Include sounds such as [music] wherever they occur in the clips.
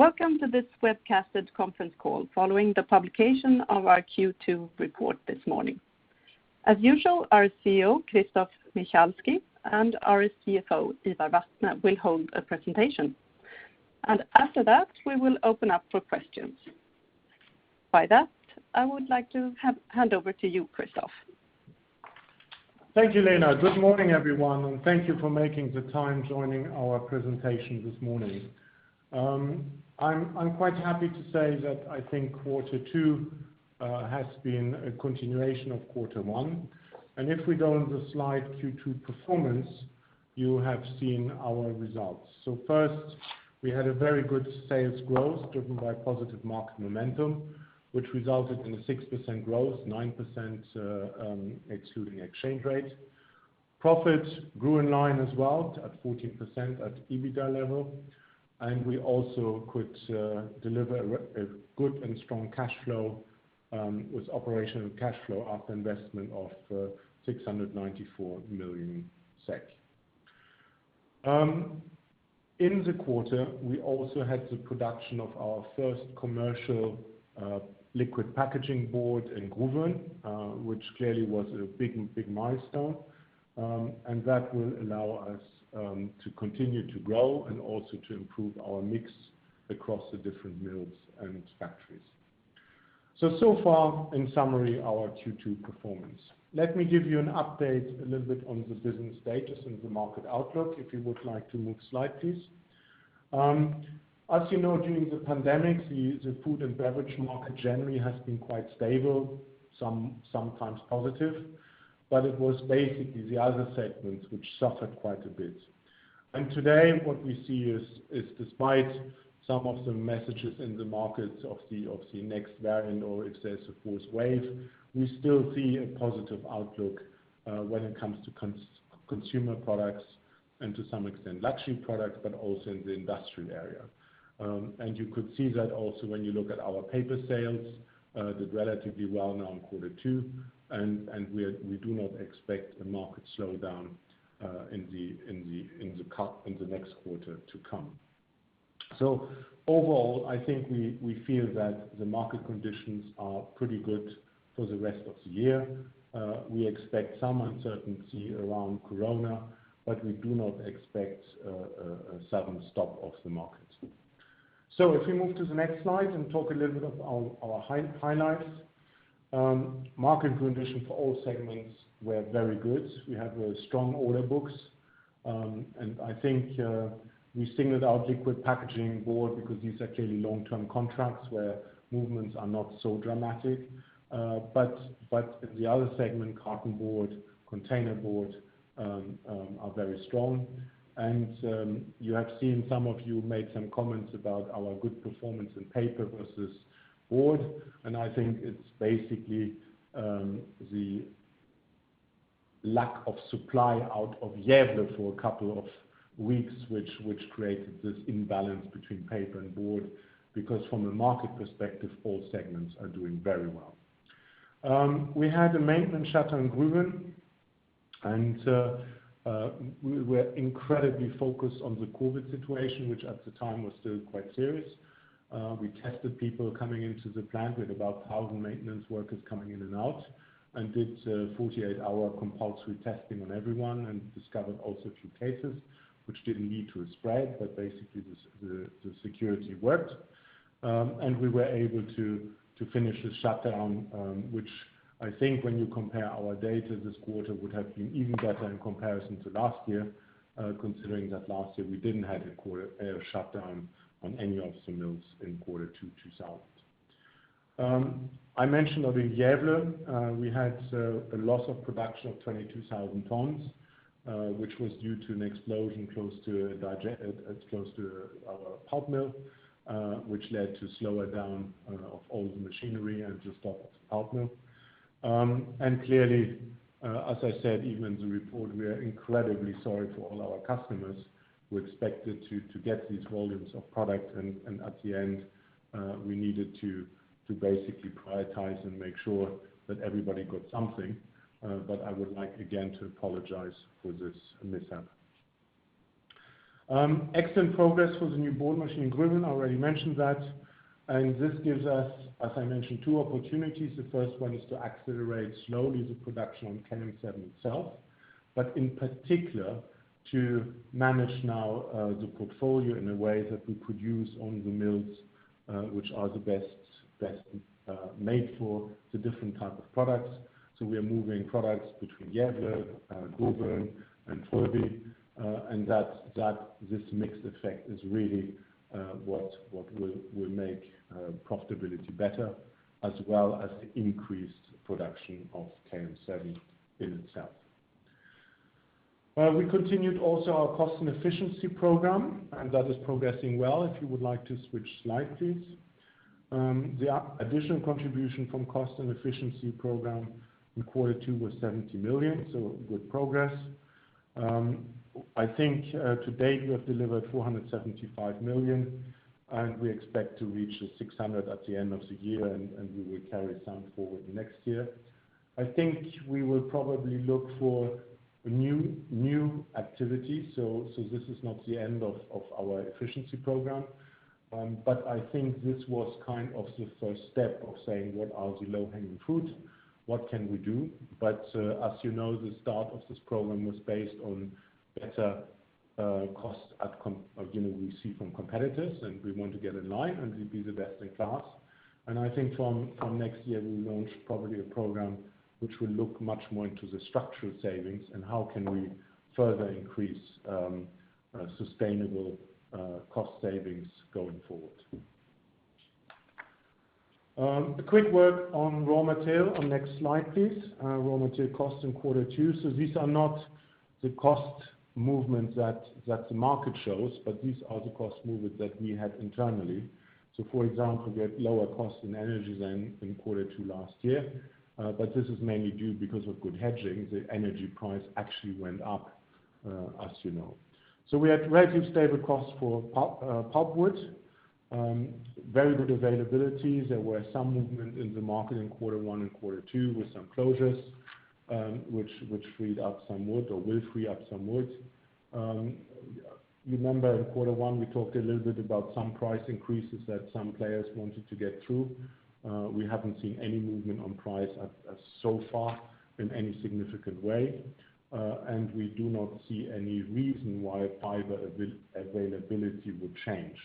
Welcome to this webcasted conference call following the publication of our Q2 report this morning. As usual, our CEO, Christoph Michalski, and our CFO, Ivar Vatne, will hold a presentation. After that, we will open up for questions. By that, I would like to hand over to you, Christoph. Thank you, Lena. Good morning, everyone, and thank you for making the time joining our presentation this morning. I'm quite happy to say that I think quarter two has been a continuation of quarter one. If we go on the slide Q2 performance, you have seen our results. First, we had a very good sales growth driven by positive market momentum, which resulted in a 6% growth, 9% excluding exchange rates. Profit grew in line as well at 14% at EBITDA level. We also could deliver a good and strong cash flow with operational cash flow after investment of 694 million SEK. In the quarter, we also had the production of our first commercial liquid packaging board in Gruvön, which clearly was a big milestone. That will allow us to continue to grow and also to improve our mix across the different mills and factories. So far, in summary, our Q2 performance. Let me give you an update a little bit on the business status and the market outlook. If you would like to next slide, please. As you know, during the pandemic, the food and beverage market generally has been quite stable, sometimes positive, but it was basically the other segments which suffered quite a bit. Today, what we see is, despite some of the messages in the markets of the next variant or if there's a fourth wave, we still see a positive outlook when it comes to consumer products and to some extent, luxury products, but also in the industrial area. You could see that also when you look at our paper sales, did relatively well now in quarter two, and we do not expect the market slowdown in the next quarter to come. Overall, I think we feel that the market conditions are pretty good for the rest of the year. We expect some uncertainty around coronavirus but we do not expect a sudden stop of the market. If we move to the next slide and talk a little bit about our highlights. Market conditions for all segments were very good. We have strong order books. I think we singled out liquid packaging board because these are clearly long-term contracts where movements are not so dramatic. The other segment, carton board, container board, are very strong. You have seen, some of you made some comments about our good performance in paper versus board. I think it's basically the lack of supply out of Gävle for a couple of weeks, which created this imbalance between paper and board, because from a market perspective, all segments are doing very well. We had a maintenance shutdown in Gruvön, and we were incredibly focused on the COVID-19 situation, which at the time was still quite serious. We tested people coming into the plant. We had about 1,000 maintenance workers coming in and out and did 48-hour compulsory testing on everyone and discovered also a few cases which didn't lead to a spread, but basically, the security worked. We were able to finish the shutdown, which I think when you compare our data this quarter would have been even better in comparison to last year, considering that last year we didn't have a shutdown on any of the mills in quarter two 2020. I mentioned that in Gävle, we had a loss of production of 22,000 tons, which was due to an explosion close to our pulp mill, which led to slower down of all the machinery and just stop at the pulp mill. Clearly, as I said, even in the report, we are incredibly sorry to all our customers who expected to get these volumes of product, and at the end, we needed to basically prioritize and make sure that everybody got something. I would like, again, to apologize for this mishap. Excellent progress for the new board machine in Gruvön. I already mentioned that. This gives us, as I mentioned, two opportunities. The first one is to accelerate slowly the production on KM7 itself, but in particular, to manage now the portfolio in a way that we could use on the mills, which are the best made for the different type of products. We are moving products between Gävle, Gruvön, and Frövi. This mix effect is really what will make profitability better, as well as the increased production of KM7 in itself. We continued also our cost and efficiency program, and that is progressing well. If you would like to switch slide, please. The additional contribution from cost and efficiency program in quarter two was 70 million, so good progress. I think to date, we have delivered 475 million, and we expect to reach 600 million at the end of the year, and we will carry some forward next year. I think we will probably look for new activities. This is not the end of our efficiency program. I think this was the first step of saying, "What are the low-hanging fruit? What can we do?" As you know, the start of this program was based on better cost outcome we see from competitors, and we want to get in line and be the best in class. I think from next year we'll launch probably a program which will look much more into the structural savings and how can we further increase sustainable cost savings going forward. A quick word on raw material on next slide, please. Raw material cost in quarter two. These are not the cost movements that the market shows, but these are the cost movements that we had internally. For example, we had lower cost in energy than in quarter two last year. This is mainly due because of good hedging. The energy price actually went up, as you know. We had relatively stable costs for pulpwood. Very good availabilities. There were some movement in the market in quarter one and quarter two with some closures, which freed up some wood or will free up some wood. Remember in quarter one, we talked a little bit about some price increases that some players wanted to get through. We haven't seen any movement on price so far in any significant way. We do not see any reason why fiber availability would change.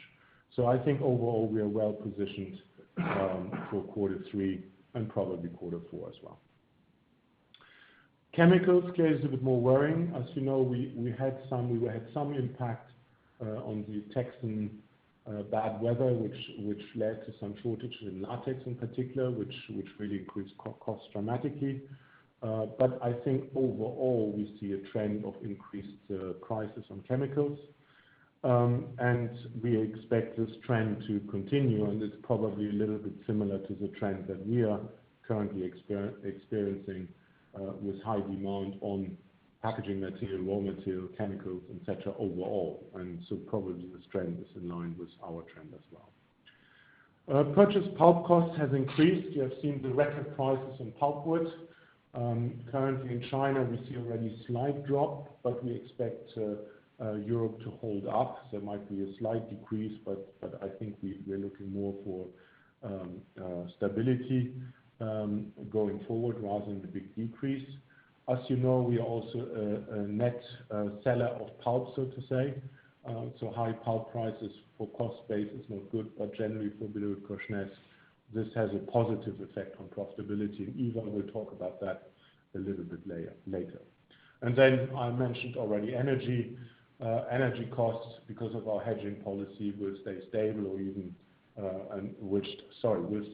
I think overall we are well positioned for quarter three and probably quarter four as well. Chemicals carries a bit more worrying. As you know, we had some impact on the Texan bad weather, which led to some shortage in latex in particular, which really increased costs dramatically. I think overall, we see a trend of increased prices on chemicals. We expect this trend to continue, and it's probably a little bit similar to the trend that we are currently experiencing with high demand on packaging material, raw material, chemicals, et cetera, overall. Probably this trend is in line with our trend as well. Purchase pulp costs has increased. You have seen the record prices in pulpwood. Currently in China, we see already a slight drop, but we expect Europe to hold up. There might be a slight decrease, but I think we are looking more for stability going forward rather than the big decrease. As you know, we are also a net seller of pulp, so to say. High pulp prices for cost base is not good, but generally for BillerudKorsnäs, this has a positive effect on profitability. Ivar will talk about that a little bit later. I mentioned already energy. Energy costs, because of our hedging policy, will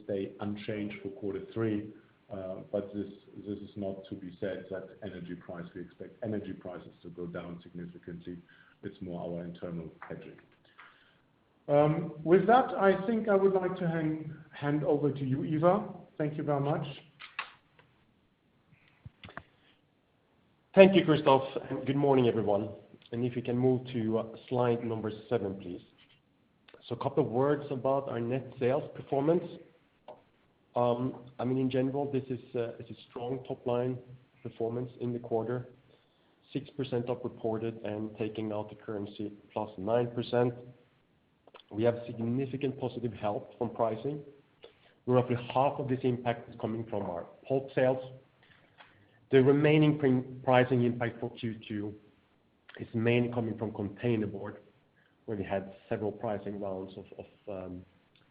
stay unchanged for quarter three. This is not to be said that we expect energy prices to go down significantly. It's more our internal hedging. With that, I think I would like to hand over to you, Ivar. Thank you very much. Thank you, Christoph, and good morning, everyone. If we can move to slide number seven, please. A couple words about our net sales performance. In general, this is a strong top-line performance in the quarter. 6% of reported and taking out the currency +9%. We have significant positive help from pricing, roughly half of this impact is coming from our pulp sales. The remaining pricing impact for Q2 is mainly coming from containerboard, where we had several pricing rounds of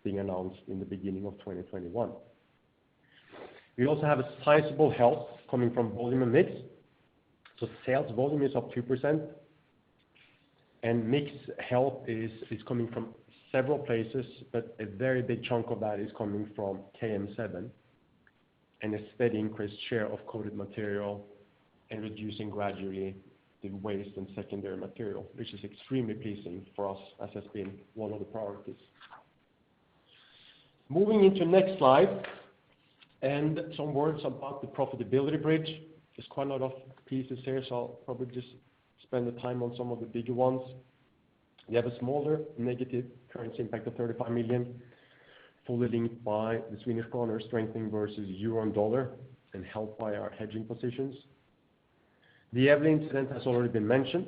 being announced in the beginning of 2021. We also have a sizable help coming from volume and mix. Sales volume is up 2% and mix help is coming from several places, but a very big chunk of that is coming from KM7 and a steady increased share of coated material and reducing gradually the waste and secondary material, which is extremely pleasing for us as has been one of the priorities. Moving into next slide. Some words about the profitability bridge. There's quite a lot of pieces here, so I'll probably just spend the time on some of the bigger ones. We have a smaller negative currency impact of 35 million, fully linked by the Swedish krona strengthening versus euro and dollar and helped by our hedging positions. The Gävle mill incident has already been mentioned,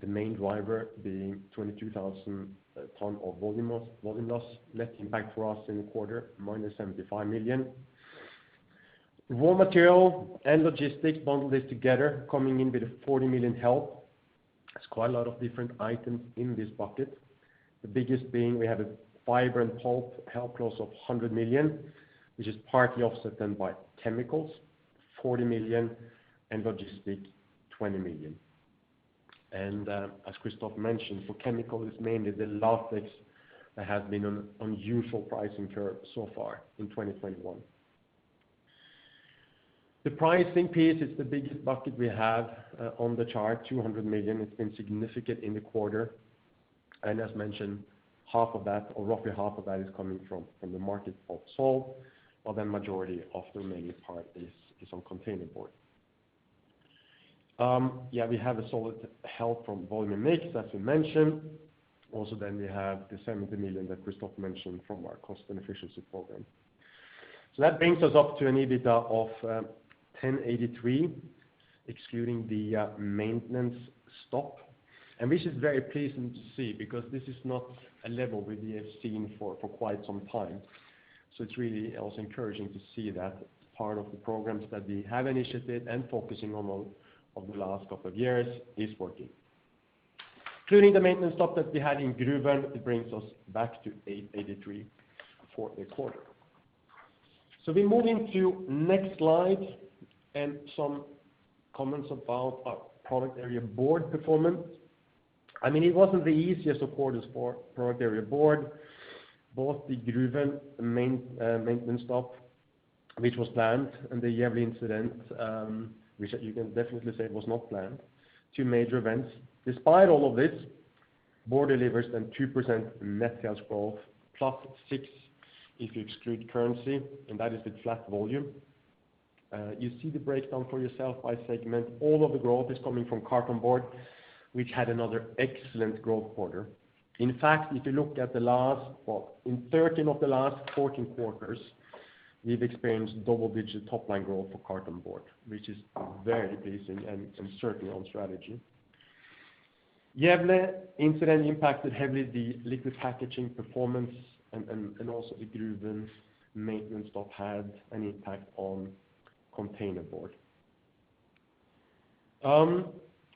the main driver being 22,000 tons of volume loss net impact for us in the quarter, -75 million. Raw material and logistics bundled together coming in with a 40 million help. There's quite a lot of different items in this bucket. The biggest being we have a fiber and pulp help loss of 100 million, which is partly offset by chemicals, 40 million, and logistics, 20 million. As Christoph mentioned, for chemicals, mainly the latex that has been on usual pricing curve so far in 2021. The pricing piece is the biggest bucket we have on the chart, 200 million. It's been significant in the quarter. As mentioned, roughly half of that is coming from the market pulp sold, while the majority of the remaining part is on containerboard. We have a solid help from volume mix, as we mentioned. We have the 70 million that Christoph mentioned from our cost and efficiency program. That brings us up to an EBITDA of 1,083, excluding the maintenance stop, and this is very pleasing to see because this is not a level we have seen for quite some time. It's really also encouraging to see that part of the programs that we have initiated and focusing on over the last couple of years is working. Including the maintenance stop that we had in Gruvön, it brings us back to 883 million for the quarter. We move into next slide and some comments about our product area board performance. It wasn't the easiest of quarters for product area board. Both the Gruvön maintenance stop, which was planned, and the Gävle mill incident, which you can definitely say was not planned. Two major events. Despite all of this, board delivers 2% net sales growth, +6% if you exclude currency, and that is with flat volume. You see the breakdown for yourself by segment. All of the growth is coming from cartonboard, which had another excellent growth quarter. In fact, if you look at the last, in 13 of the last 14 quarters, we've experienced double-digit top-line growth for cartonboard, which is very pleasing and certainly on strategy. Gävle mill incident impacted heavily the liquid packaging performance, and also the Gruvön maintenance stop had an impact on containerboard.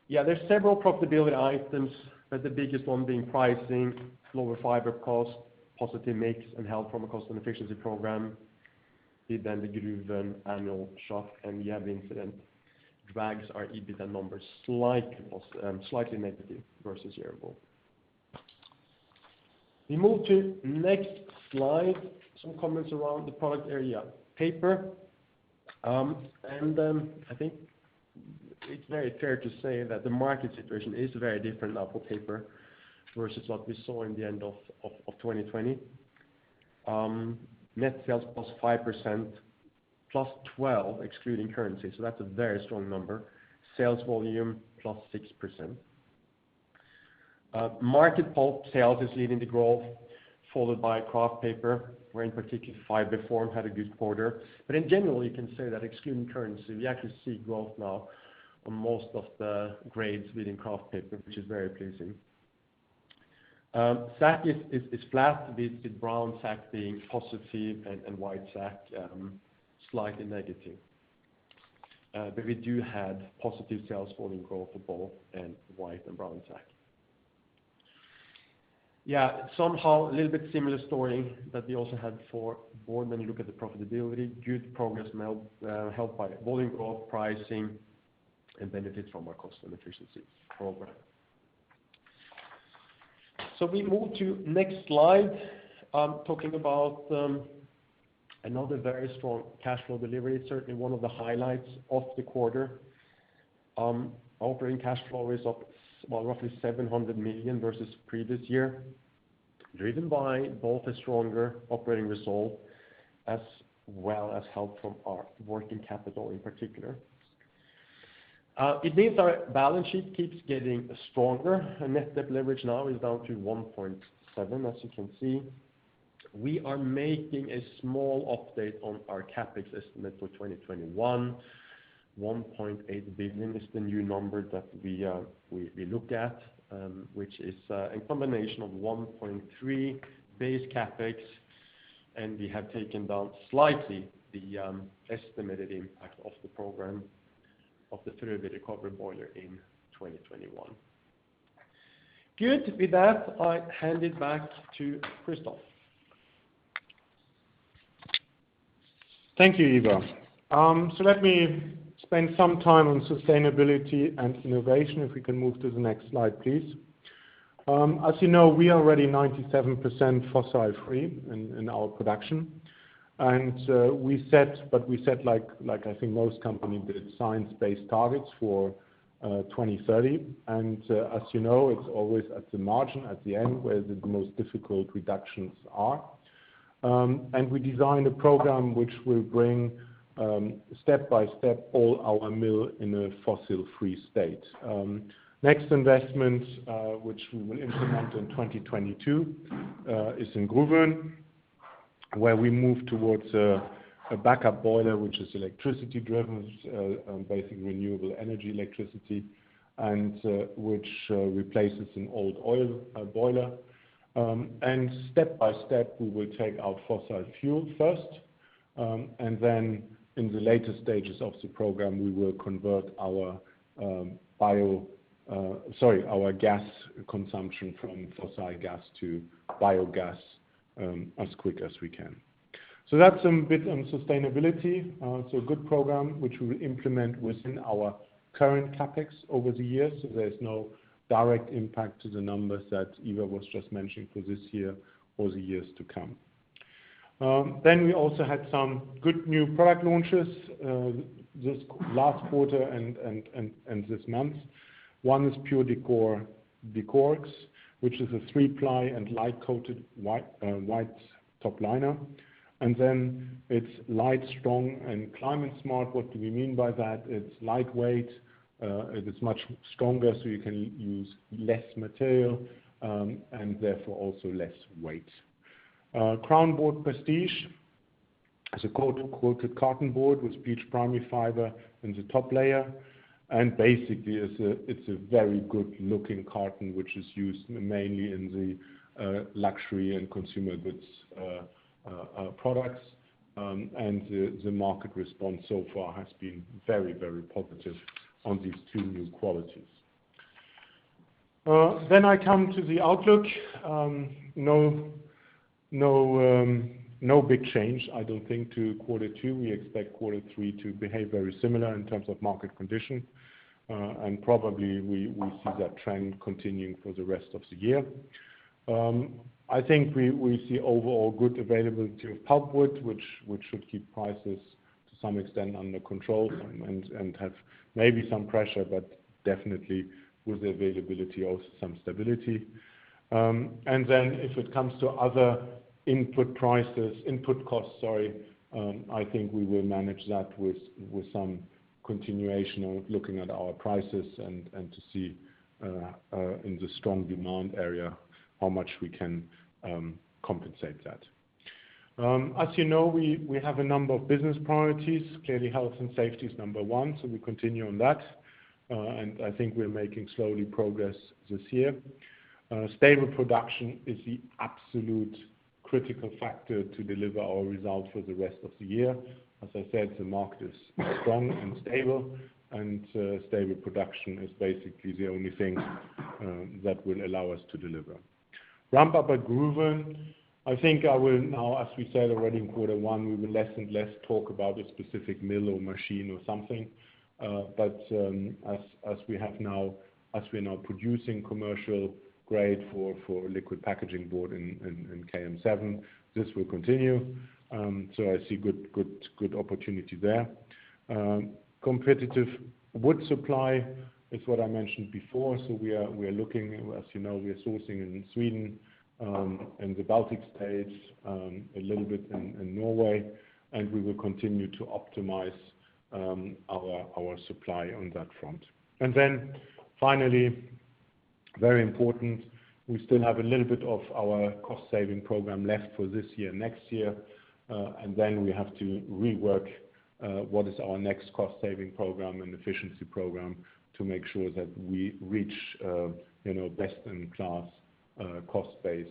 There's several profitability items, the biggest one being pricing, lower fiber cost, positive mix, and help from a cost and efficiency program. The Gruvön annual shut and Gävle mill incident drags our EBITDA numbers slightly negative versus year-over-year. We move to next slide. Some comments around the product area paper. I think it's very fair to say that the market situation is very different now for paper versus what we saw in the end of 2020. Net sales +5%, +12% excluding currency. That's a very strong number. Sales volume, +6%. market pulp sales is leading the growth, followed by kraft paper, where in particular FibreForm had a good quarter. In general, you can say that excluding currency, we actually see growth now on most of the grades within kraft paper, which is very pleasing. Sack is flat, with brown sack being positive and white sack slightly negative. We do have positive sales volume growth for both white and brown sack. Somehow, a little bit similar story that we also had for board when you look at the profitability. Good progress helped by volume growth pricing and benefit from our cost and efficiency program. We move to next slide, talking about another very strong cash flow delivery. It is certainly one of the highlights of the quarter. Operating cash flow is up roughly 700 million versus previous year, driven by both a stronger operating result as well as help from our working capital in particular. It means our balance sheet keeps getting stronger, and net debt leverage now is down to 1.7, as you can see. We are making a small update on our CapEx estimate for 2021. 1.8 billion is the new number that we looked at, which is a combination of 1.3 billion base CapEx, and we have taken down slightly the estimated impact of the program of the Frövi recovery boiler in 2021. Good. With that, I hand it back to Christoph. Thank you, Ivar. Let me spend some time on sustainability and innovation. If we can move to the next slide, please. As you know, we are already 97% fossil free in our production. We set, like I think most companies did, science-based targets for 2030. As you know, it's always at the margin, at the end, where the most difficult reductions are. We designed a program which will bring, step by step, all our mill in a fossil free state. Next investment, which we will implement in 2022, is in Gruvön, where we move towards a backup boiler, which is electricity driven, basically renewable energy electricity, and which replaces an old oil boiler. Step by step, we will take out fossil fuel first, then in the later stages of the program, we will convert our gas consumption from fossil gas to biogas as quick as we can. That's a bit on sustainability. It's a good program, which we will implement within our current CapEx over the years. There is no direct impact to the numbers that Ivar was just mentioning for this year or the years to come. We also had some good new product launches this last quarter and this month. One is Pure DecorX, which is a 3-ply and light coated white top liner. Then it's light, strong, and climate smart. What do we mean by that? It's lightweight, it is much stronger so you can use less material, and therefore also less weight. CrownBoard Prestige is a coated carton board with bleached primary fiber in the top layer. Basically, it's a very good-looking carton, which is used mainly in the luxury and consumer goods products. The market response so far has been very positive on these two new qualities. I come to the outlook. No big change, I don't think, to quarter two. We expect quarter three to behave very similarly in terms of market condition. Probably, we see that trend continuing for the rest of the year. I think we see overall good availability of pulpwood, which should keep prices to some extent under control and have maybe some pressure, but definitely with availability, also some stability. If it comes to other input costs, I think we will manage that with some continuation of looking at our prices and to see, in the strong demand area, how much we can compensate that. As you know, we have a number of business priorities. Clearly, health and safety is number one, so we continue on that. I think we're making slow progress this year. Stable production is the absolute critical factor to deliver our results for the rest of the year. As I said, the market is strong and stable, and stable production is basically the only thing that will allow us to deliver. Ramp-up at Gruvön. I think I will now, as we said already in quarter one, we will less and less talk about a specific mill or machine or something. As we are now producing commercial grade for liquid packaging board in KM7, this will continue. I see good opportunity there. Competitive wood supply is what I mentioned before. We are looking, as you know, we are sourcing in Sweden and the Baltic States, a little bit in Norway, and we will continue to optimize our supply on that front. Finally, very important, we still have a little bit of our cost-saving program left for this year, next year, we have to rework what is our next cost-saving program and efficiency program to make sure that we reach best-in-class cost base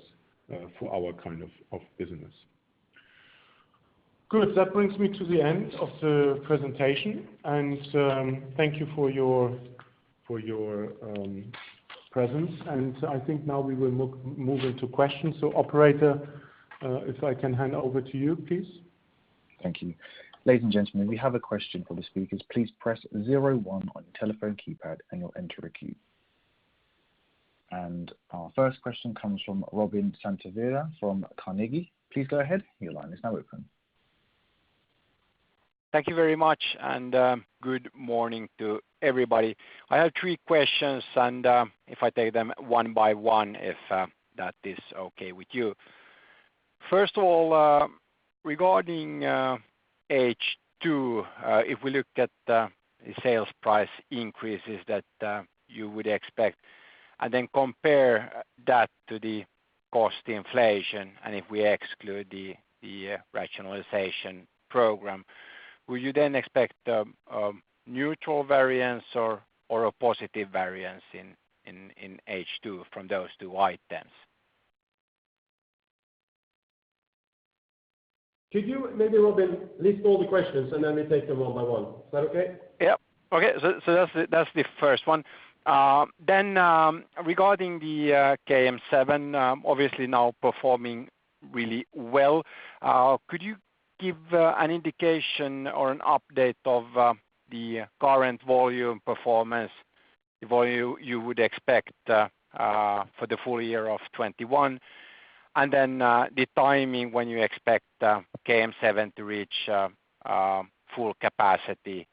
for our kind of business. Good. That brings me to the end of the presentation. Thank you for your presence. I think now we will move into questions. Operator, if I can hand over to you, please. Thank you. Ladies and gentlemen, we have a question from the speakers. Please press zero one on your telephone keypad and you'll enter a queue. Our first question comes from Robin Santavirta from Carnegie. Please go ahead, your line is now open. Thank you very much, and good morning to everybody. I have three questions, and if I take them one by one, if that is okay with you. First of all, regarding H2, if we look at the sales price increases that you would expect and then compare that to the cost inflation, and if we exclude the rationalization program, will you then expect a neutral variance or a positive variance in H2 from those two items? Could you maybe, Robin, list all the questions, and let me take them one by one. Is that okay? Yep. Okay, that's the first one. Regarding the KM7, obviously now performing really well. Could you give an indication or an update of the current volume performance, the volume you would expect for the full year of 2021? The timing when you expect KM7 to reach full capacity.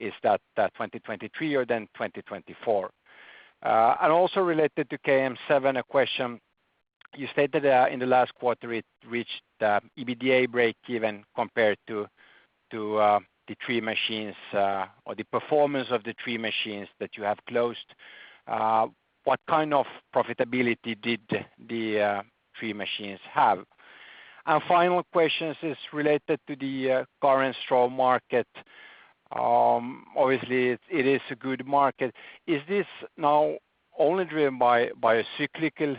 Is that 2023 or 2024? Also related to KM7, a question. You stated in the last quarter it reached EBITDA break even compared to the three machines or the performance of the three machines that you have closed. What kind of profitability did the three machines have? Final question is related to the current strong market. Obviously, it is a good market. Is this now only driven by a cyclical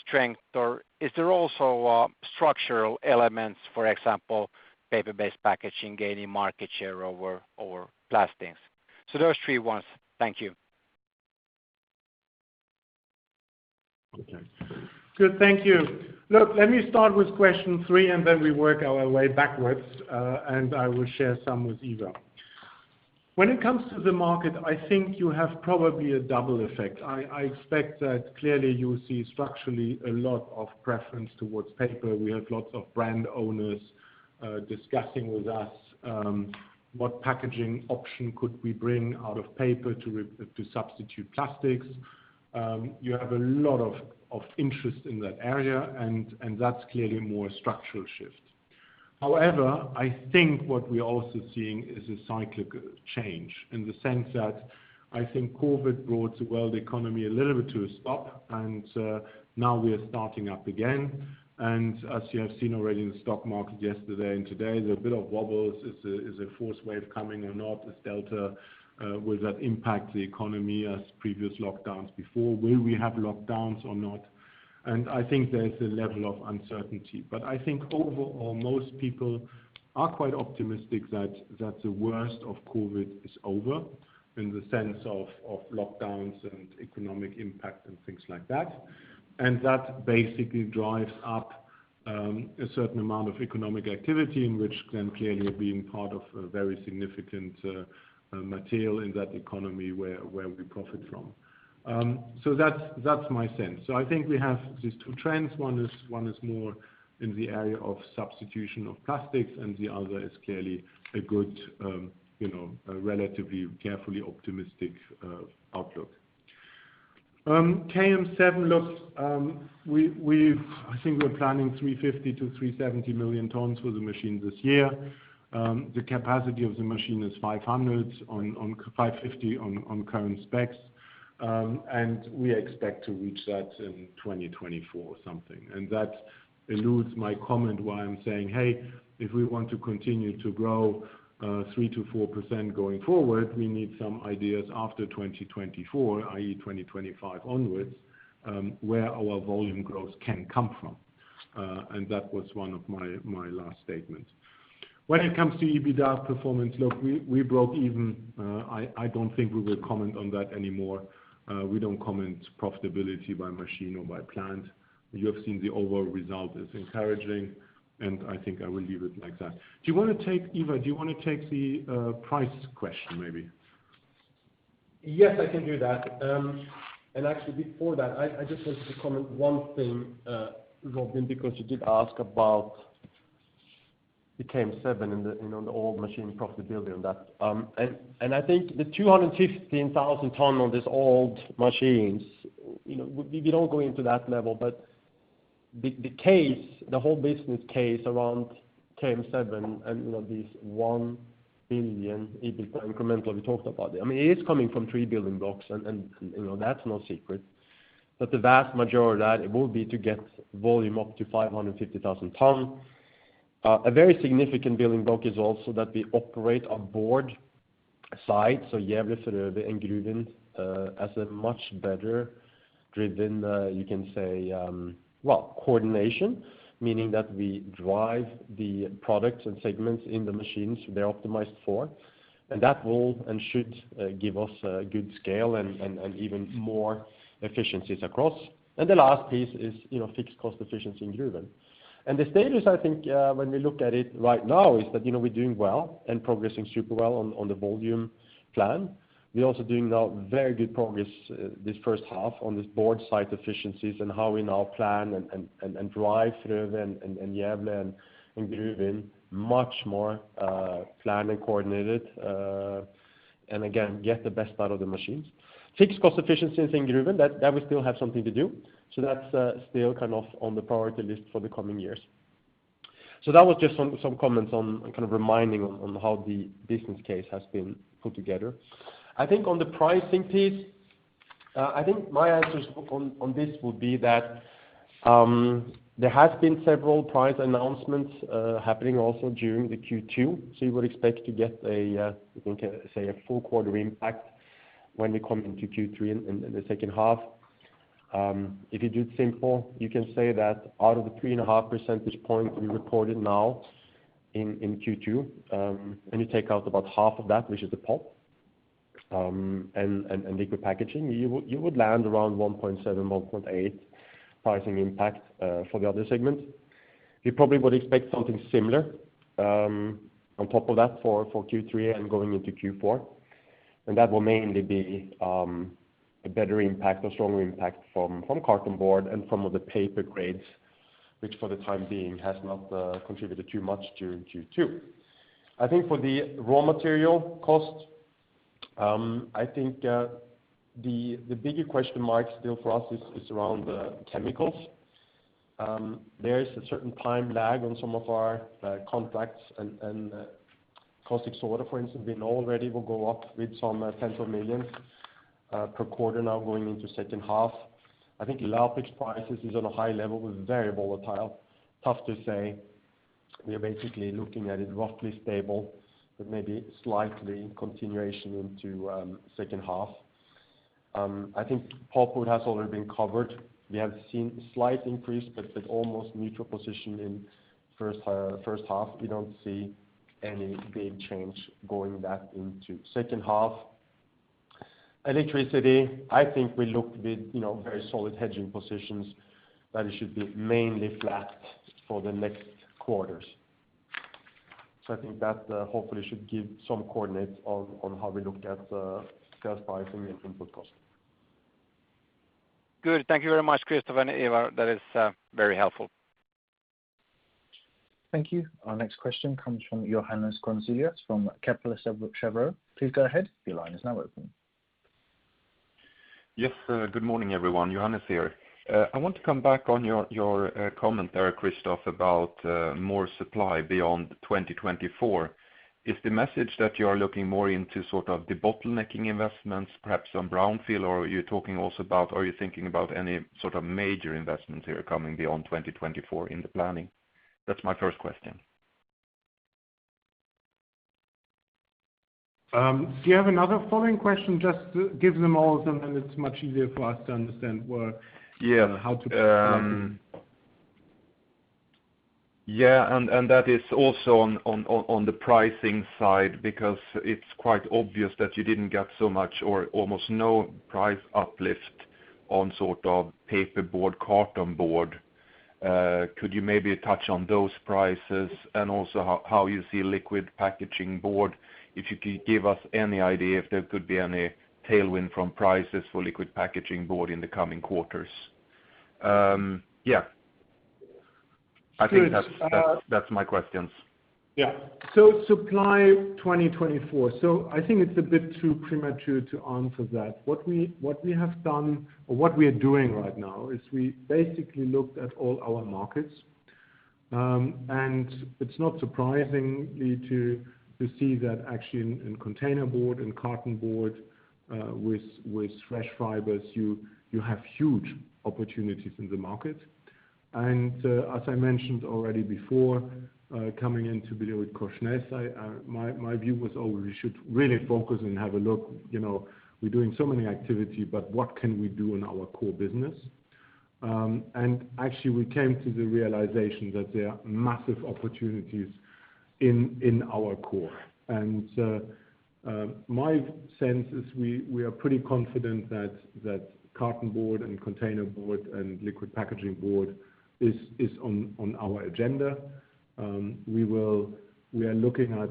strength, or are there also structural elements, for example, paper-based packaging gaining market share over plastics? Those three ones. Thank you. Okay. Good, thank you. Look, let me start with question three, and then we work our way backwards. I will share some with Ivar. When it comes to the market, I think you have probably a double effect. I expect that clearly you see structurally a lot of preference towards paper. We have lots of brand owners discussing with us what packaging option could we bring out of paper to substitute plastics. You have a lot of interest in that area, and that's clearly more structural shift. However, I think what we are also seeing is a cyclic change in the sense that I think COVID-19 brought the world economy a little bit to a stop, and now we are starting up again. As you have seen already in the stock market yesterday and today, there are a bit of wobbles. Is a fourth wave coming or not with Delta? Will that impact the economy as previous lockdowns before? Will we have lockdowns or not? I think there is a level of uncertainty, but I think overall, most people are quite optimistic that the worst of COVID-19 is over in the sense of lockdowns and economic impact and things like that. That basically drives up a certain amount of economic activity in which then clearly being part of a very significant material in that economy where we profit from. That's my sense. I think we have these two trends. One is more in the area of substitution of plastics, and the other is clearly a good, relatively carefully optimistic outlook. KM7 I think we're planning 350 million-370 million tons for the machine this year. The capacity of the machine is 550 million tons on current specs. We expect to reach that in 2024 something. That alludes my comment why I'm saying, "Hey, if we want to continue to grow 3%-4% going forward, we need some ideas after 2024, i.e., 2025 onwards, where our volume growth can come from." That was one of my last statements. When it comes to EBITDA performance, look, we broke even. I don't think we will comment on that anymore. We don't comment profitability by machine or by plant. You have seen the overall result is encouraging, and I think I will leave it like that. Ivar, do you want to take the price question, maybe? Yes, I can do that. Actually, before that, I just wanted to comment one thing, Robin, because you did ask about the KM7 and the old machine profitability on that. I think the 215,000 ton on these old machines, we don't go into that level. The whole business case around KM7 and this 1 billion EBITDA incremental, we talked about it. It is coming from three building blocks. That's no secret. The vast majority of that will be to get volume up to 550,000 ton. A very significant building block is also that we operate a board site, Gävle, Frövi, and Gruvön as a much better driven, you can say, coordination. Meaning that we drive the products and segments in the machines they're optimized for. That will and should give us a good scale and even more efficiencies across. The last piece is fixed cost efficiency in Gruvön. The status, I think, when we look at it right now, is that we're doing well and progressing super well on the volume plan. We're also doing now very good progress this first half on this board site efficiencies and how we now plan and drive Frövi and Gävle and Gruvön, much more planned and coordinated. Again, get the best out of the machines. Fixed cost efficiencies in Gruvön, that we still have something to do. That's still on the priority list for the coming years. That was just some comments on reminding on how the business case has been put together. I think on the pricing piece, I think my answers on this would be that there has been several price announcements happening also during the Q2. You would expect to get, you can say, a full quarter impact when we come into Q3 in the second half. If you do it simple, you can say that out of the 3.5 percentage point we reported now in Q2, and you take out about half of that, which is the pulp and liquid packaging, you would land around 1.7, 1.8 pricing impact for the other segment. You probably would expect something similar on top of that for Q3 and going into Q4. That will mainly be a better impact, a stronger impact from cartonboard and some of the paper grades, which for the time being has not contributed too much during Q2. I think for the raw material cost, I think the bigger question mark still for us is around chemicals. There is a certain time lag on some of our contracts and caustic soda, for instance. We know already will go up with some 10s of millions per quarter now going into second half. I think latex prices is on a high level, very volatile, tough to say. We are basically looking at it roughly stable, but maybe slightly continuation into second half. I think pulpwood has already been covered. We have seen slight increase, but at almost neutral position in first half. We don't see any big change going back into second half. Electricity, I think we look with very solid hedging positions that it should be mainly flat for the next quarters. I think that hopefully should give some coordinates on how we look at sales pricing and input cost. Good. Thank you very much, Christoph and Ivar. That is very helpful. Thank you. Our next question comes from Johannes Grunselius from Kepler Cheuvreux. Please go ahead. Yes. Good morning, everyone. Johannes here. I want to come back on your comment there, Christoph, about more supply beyond 2024. Is the message that you are looking more into sort of de-bottlenecking investments, perhaps on brownfield, or you're thinking about any sort of major investments here coming beyond 2024 in the planning? That's my first question. Do you have another following question? Just give them all then it's much easier for us to understand where-. Yeah how to structure. Yeah. That is also on the pricing side, because it is quite obvious that you did not get so much or almost no price uplift on paper board, carton board. Could you maybe touch on those prices and also how you see liquid packaging board? If you could give us any idea if there could be any tailwind from prices for liquid packaging board in the coming quarters. Yeah. I think that is my questions. Yeah. Supply 2024. I think it's a bit too premature to answer that. What we are doing right now is we basically looked at all our markets. It's not surprisingly to see that actually in containerboard and cartonboard, with fresh fibers, you have huge opportunities in the market. As I mentioned already before, coming into BillerudKorsnäs, my view was, "Oh, we should really focus and have a look. We're doing so many activity, but what can we do in our core business?" Actually we came to the realization that there are massive opportunities in our core. My sense is we are pretty confident that cartonboard and containerboard and liquid packaging board is on our agenda. We are looking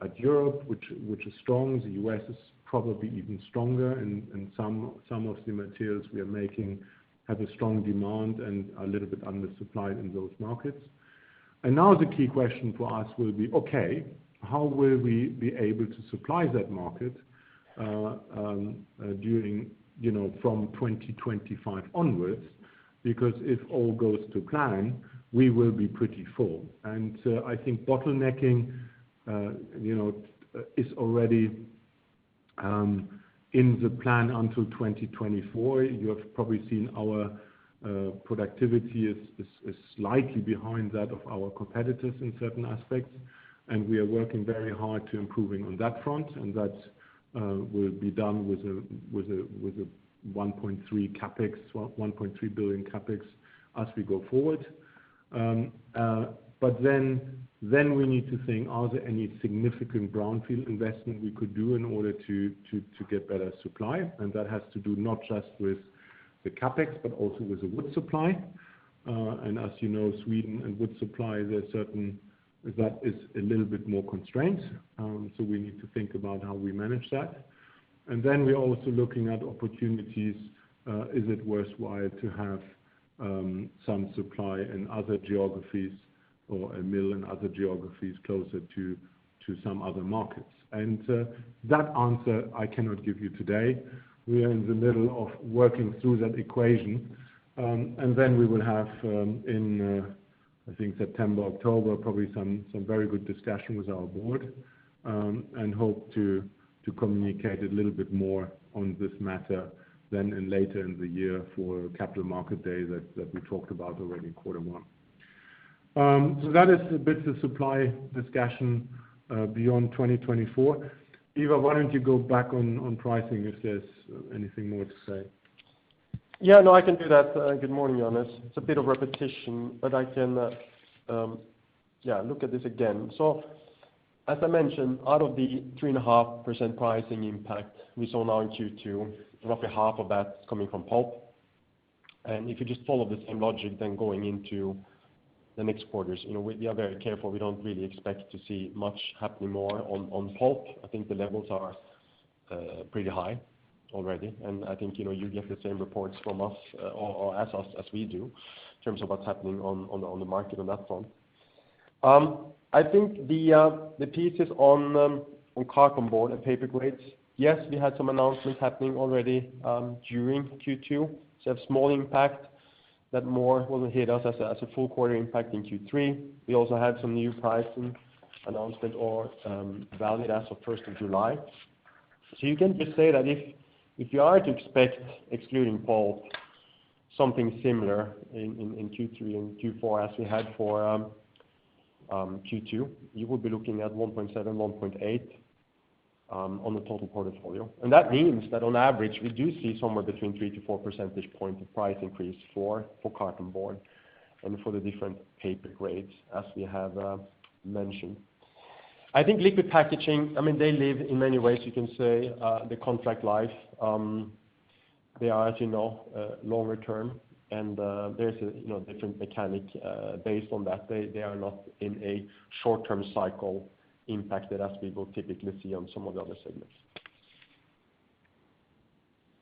at Europe, which is strong. The U.S. is probably even stronger and some of the materials we are making have a strong demand and a little bit undersupplied in those markets. Now the key question for us will be, okay, how will we be able to supply that market from 2025 onwards? If all goes to plan, we will be pretty full. I think bottlenecking is already in the plan until 2024. You have probably seen our productivity is slightly behind that of our competitors in certain aspects. We are working very hard to improving on that front. That will be done with a 1.3 billion CapEx as we go forward. We need to think, are there any significant brownfield investment we could do in order to get better supply? That has to do not just with the CapEx, but also with the wood supply. As you know, Sweden and wood supply, that is a little bit more constrained. We need to think about how we manage that. We are also looking at opportunities. Is it worthwhile to have some supply in other geographies or a mill in other geographies closer to some other markets? That answer I cannot give you today. We are in the middle of working through that equation. We will have, in I think September, October, probably some very good discussion with our board. Hope to communicate a little bit more on this matter then and later in the year for Capital Markets Day that we talked about already in quarter one. That is a bit of supply discussion beyond 2024. Ivar, why don't you go back on pricing if there's anything more to say. Yeah. No, I can do that. Good morning, Johannes. It's a bit of repetition, but I can look at this again. As I mentioned, out of the 3.5% pricing impact we saw now in Q2, roughly half of that is coming from pulp. If you just follow the same logic then going into the next quarters, we are very careful. We don't really expect to see much happening more on pulp. I think the levels are pretty high already. I think you get the same reports as we do in terms of what's happening on the market on that front. I think the pieces on cartonboard and paper grades. Yes, we had some announcements happening already during Q2. So a small impact that more will hit us as a full quarter impact in Q3. We also had some new pricing announcement or valid as of 1st of July. You can just say that if you are to expect, excluding pulp, something similar in Q3 and Q4 as we had for Q2, you would be looking at 1.7, 1.8 on the total portfolio. That means that on average, we do see somewhere between 3-4 percentage points of price increase for carton board and for the different paper grades as we have mentioned. I think liquid packaging, they live in many ways, you can say, the contract life. They are longer-term and there's a different mechanic based on that. They are not in a short-term cycle impacted as we will typically see on some of the other segments.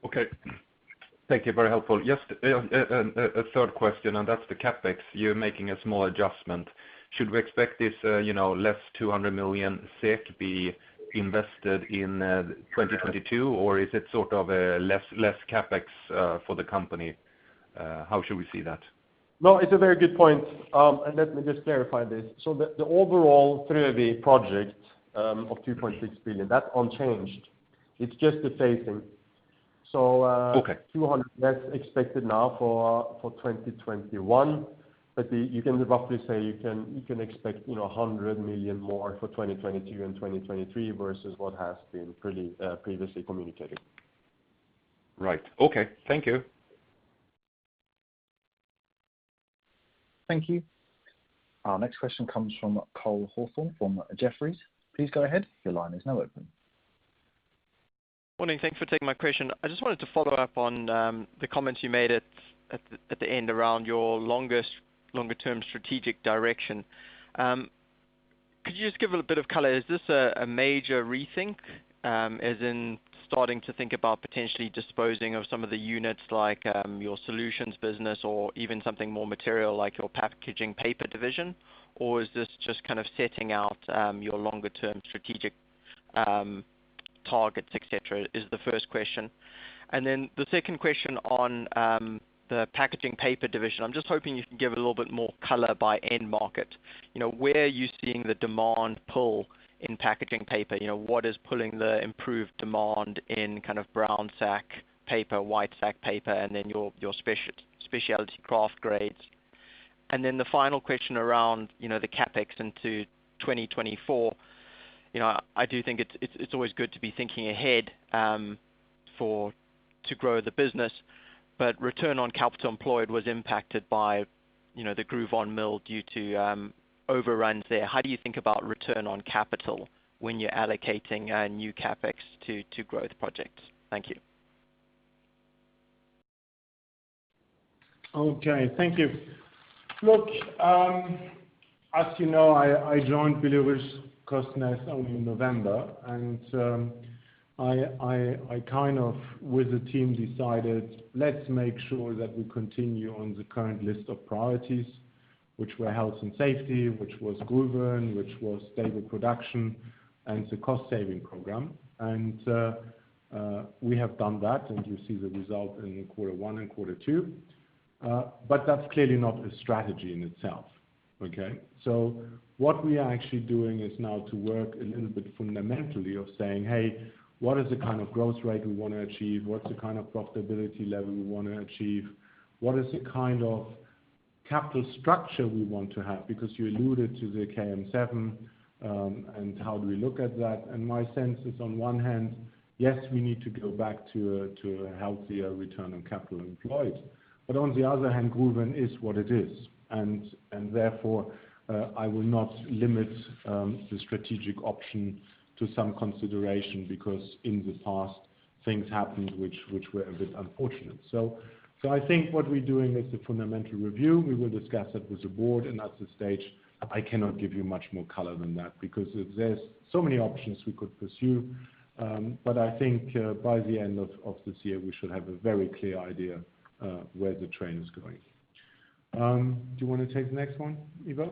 Okay. Thank you. Very helpful. Just a third question, that's the CapEx. You're making a small adjustment. Should we expect this less 200 million SEK to be invested in 2022? Is it sort of a less CapEx for the company? How should we see that? It's a very good point. Let me just clarify this. The overall Frövi project of 2.6 billion, that's unchanged. It's just the phasing. Okay. 200 million less expected now for 2021. You can roughly say you can expect 100 million more for 2022 and 2023 versus what has been previously communicated. Right. Okay. Thank you. Thank you. Our next question comes from Cole Hathorn from Jefferies. Please go ahead. Your line is now open. Morning. Thank you for taking my question. I just wanted to follow-up on the comments you made at the end around your longer-term strategic direction. Could you just give a little bit of color? Is this a major rethink? As in starting to think about potentially disposing of some of the units like your solutions business or even something more material like your packaging paper division? Is this just kind of setting out your longer-term strategic targets, et cetera? Is the first question. The second question on the packaging paper division. I'm just hoping you can give a little bit more color by end market. Where are you seeing the demand pull in packaging paper? What is pulling the improved demand in kind of brown sack paper, white sack paper, and then your specialty kraft grades? The final question around the CapEx into 2024. I do think it's always good to be thinking ahead to grow the business, but return on capital employed was impacted by the Gruvön mill due to overruns there. How do you think about return on capital when you're allocating new CapEx to growth projects? Thank you. Okay. Thank you. Look, as you know, I joined BillerudKorsnäs only in November, and I, with the team, decided, let's make sure that we continue on the current list of priorities, which were health and safety, which was Gruvön, which was stable production and the cost saving program. We have done that, and you see the result in quarter one and quarter two. That's clearly not a strategy in itself. Okay? What we are actually doing is now to work a little bit fundamentally of saying, "Hey, what is the kind of growth rate we want to achieve? What's the kind of profitability level we want to achieve? What is the kind of capital structure we want to have?" Because you alluded to the KM7, and how do we look at that? My sense is, on one hand, yes, we need to go back to a healthier return on capital employed. On the other hand, Gruvön is what it is. Therefore, I will not limit the strategic option to some consideration because in the past, things happened which were a bit unfortunate. I think what we're doing is the fundamental review. We will discuss that with the board, and at this stage, I cannot give you much more color than that, because there's so many options we could pursue. I think by the end of this year, we should have a very clear idea where the train is going. Do you want to take the next one, Ivar?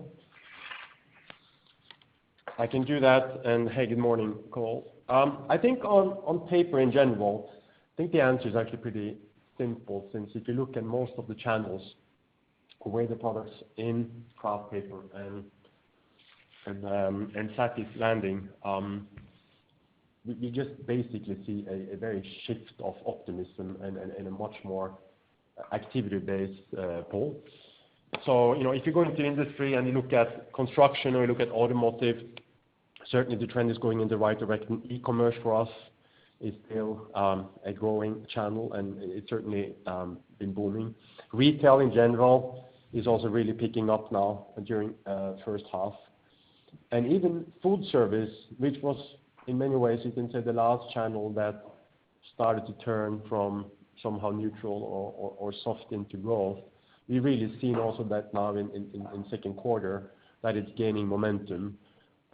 I can do that. Hey, good morning, Cole. I think on paper in general, I think the answer is actually pretty simple, since if you look at most of the channels where the products in kraft paper and sack is landing, we just basically see a very shift of optimism and a much more activity-based pull. If you go into industry and you look at construction or you look at automotive, certainly the trend is going in the right direction. E-commerce for us is still a growing channel, and it's certainly been booming. Retail in general is also really picking up now during first half. Even food service, which was in many ways, you can say the last channel that started to turn from somehow neutral or soft into growth. We've really seen also that now in second quarter that it's gaining momentum.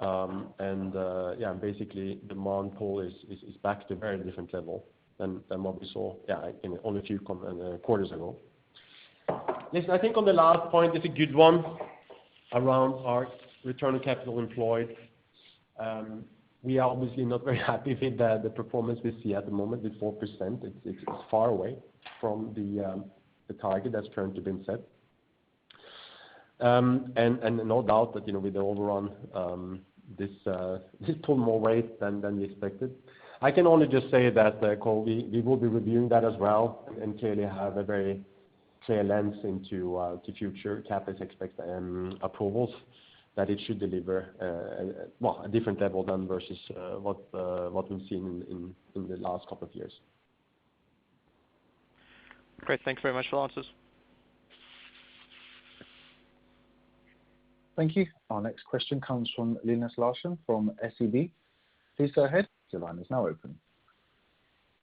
Yeah, basically demand pull is back to a very different level than what we saw, yeah, only a few quarters ago. Listen, I think on the last point, it's a good one around our return on capital employed. We are obviously not very happy with the performance we see at the moment with 4%. It's far away from the target that's currently been set. No doubt that with the overrun, this pull more weight than we expected. I can only just say that, Cole, we will be reviewing that as well and clearly have a very clear lens into future CapEx expects and approvals that it should deliver, well, a different level than versus what we've seen in the last couple of years. Great. Thanks very much for the answers. Thank you. Our next question comes from Linus Larsson from SEB. Please go ahead. Your line is now open.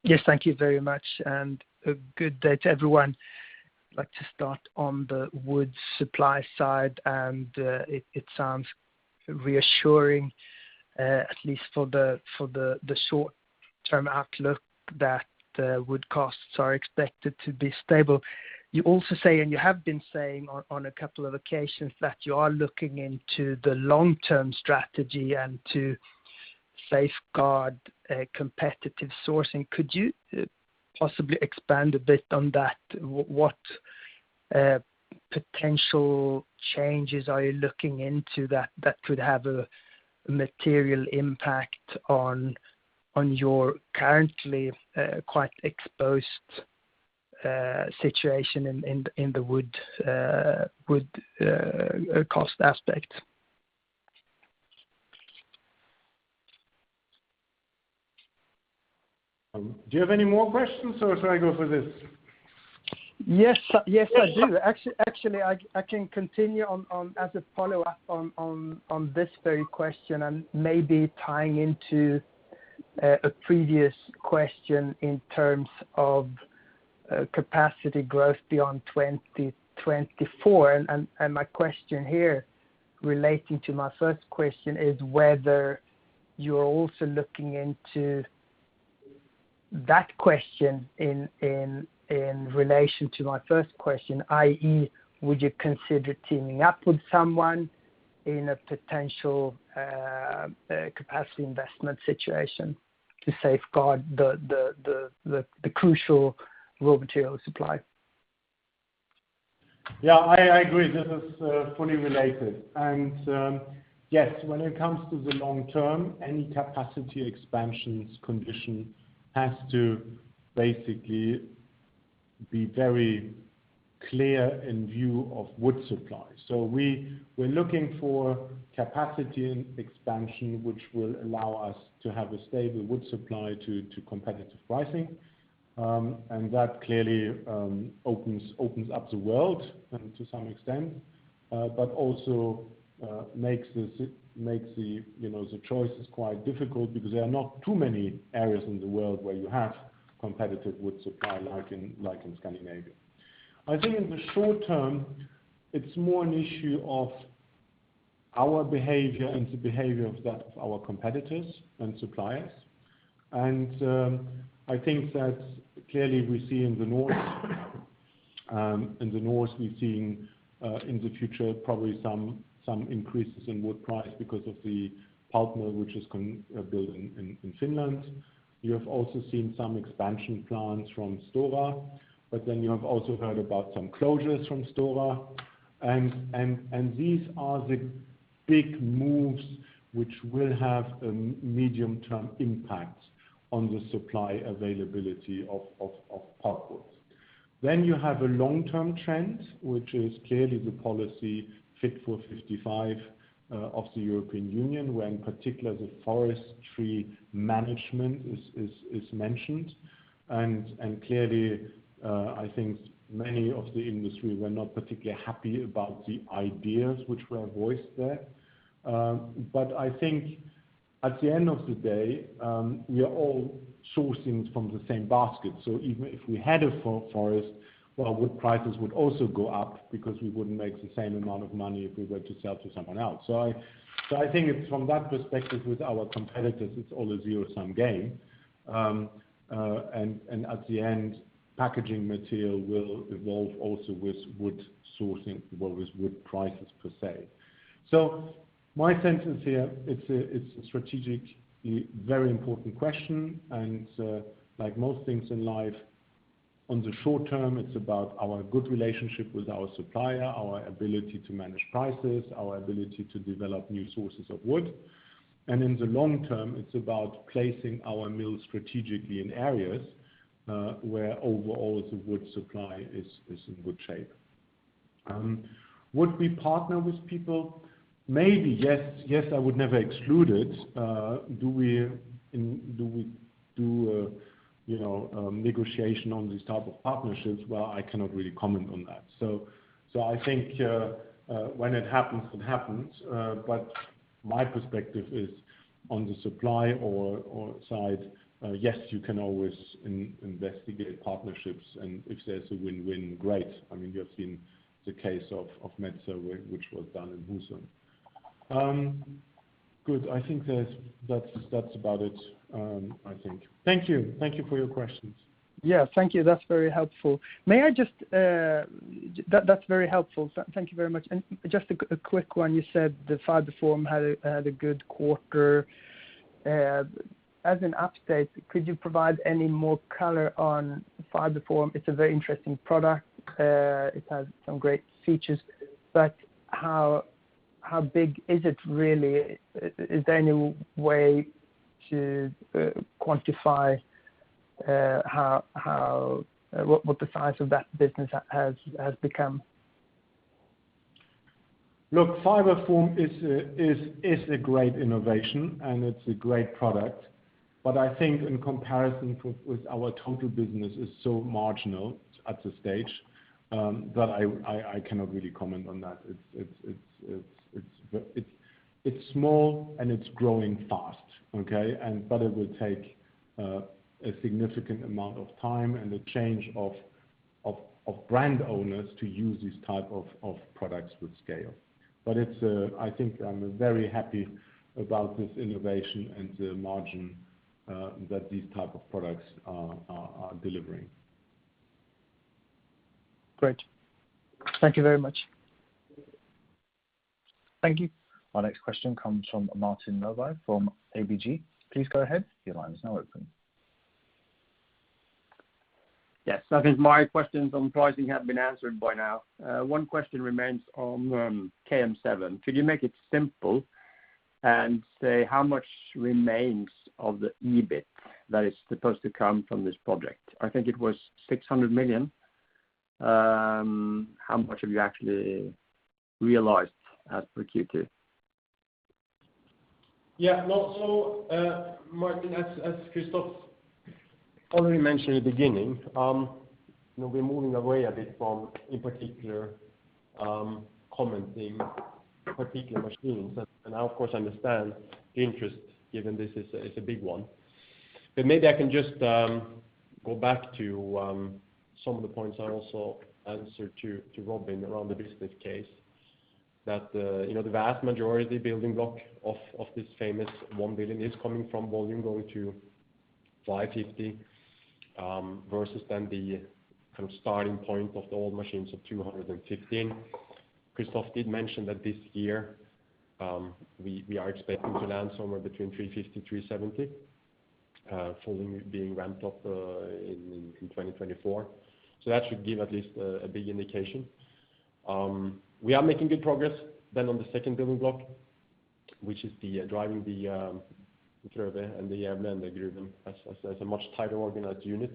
Yes, thank you very much and a good day to everyone. I'd like to start on the wood supply side, and it sounds reassuring, at least for the short-term outlook that wood costs are expected to be stable. You also say, and you have been saying on a couple of occasions, that you are looking into the long-term strategy and to safeguard competitive sourcing. Could you possibly expand a bit on that? What potential changes are you looking into that could have a material impact on your currently quite exposed situation in the wood cost aspect? Do you have any more questions, or should I go for this? Yes, I do. Actually, I can continue as a follow-up on this very question and maybe tying into a previous question in terms of capacity growth beyond 2024. My question here relating to my first question is whether you are also looking into that question in relation to my first question, i.e., would you consider teaming up with someone in a potential capacity investment situation to safeguard the crucial raw material supply? Yeah, I agree. This is fully related. Yes, when it comes to the long-term, any capacity expansions condition has to basically be very clear in view of wood supply. We're looking for capacity expansion, which will allow us to have a stable wood supply to competitive pricing. That clearly opens up the world to some extent but also makes the choices quite difficult because there are not too many areas in the world where you have competitive wood supply, like in Scandinavia. I think in the short-term, it's more an issue of our behavior and the behavior of our competitors and suppliers. I think that clearly we see in the North, we've seen in the future probably some increases in wood price because of the pulp mill, which is building in Finland. You have also seen some expansion plans from Stora Enso. You have also heard about some closures from Stora Enso. These are the big moves, which will have a medium-term impact on the supply availability of pulpwood. You have a long-term trend, which is clearly the policy Fit for 55 of the European Union, where in particular the forestry management is mentioned. Clearly, I think many of the industry were not particularly happy about the ideas which were voiced there. I think at the end of the day, we are all sourcing from the same basket. Even if we had a forest, our wood prices would also go up because we wouldn't make the same amount of money if we were to sell to someone else. I think it's from that perspective with our competitors, it's all a zero-sum game. At the end, packaging material will evolve also with wood sourcing, well, with wood prices, per se. My sentence here, it's a strategically very important question. Like most things in life, on the short-term, it's about our good relationship with our supplier, our ability to manage prices, our ability to develop new sources of wood. In the long-term, it's about placing our mills strategically in areas, where overall the wood supply is in good shape. Would we partner with people? Maybe, yes. Yes, I would never exclude it. Do we do a negotiation on these type of partnerships? Well, I cannot really comment on that. I think, when it happens, it happens. My perspective is on the supply side, yes, you can always investigate partnerships, and if there's a win-win, great. I mean, you have seen the case of Metsä Board, which was done in Husum. Good. I think that's about it, I think. Thank you. Thank you for your questions. Yeah, thank you. That's very helpful. Thank you very much. Just a quick one, you said the FibreForm had a good quarter. As an update, could you provide any more color on FibreForm? It's a very interesting product. It has some great features, but how big is it really? Is there any way to quantify what the size of that business has become? Look, FibreForm is a great innovation and it's a great product, but I think in comparison with our total business is so marginal at this stage that I cannot really comment on that. It's small and it's growing fast. Okay? It will take a significant amount of time and a change of brand owners to use these type of products with scale. I think I'm very happy about this innovation and the margin that these type of products are delivering. Great. Thank you very much. Thank you. Our next question comes from Martin Melbye from ABG. Please go ahead, your line is now open. Yes. I think my questions on pricing have been answered by now. One question remains on KM7. Could you make it simple and say how much remains of the EBIT that is supposed to come from this project? I think it was 600 million. How much have you actually realized as per Q2? Yeah. Martin, as Christoph already mentioned at the beginning, we're moving away a bit from, in particular, commenting particular machines. I, of course, understand the interest given this is a big one. Maybe I can just go back to some of the points I also answered to Robin around the business case that the vast majority building block of this famous 1 billion is coming from volume going to 550 million, versus then the starting point of the old machines of 215 million. Christoph did mention that this year, we are expecting to land somewhere between 350 million, 370 million, fully being ramped up in 2024. That should give at least a big indication. We are making good progress then on the second building block, which is driving the Frövi and the Gävle and the Gruvön as a much tighter organized unit.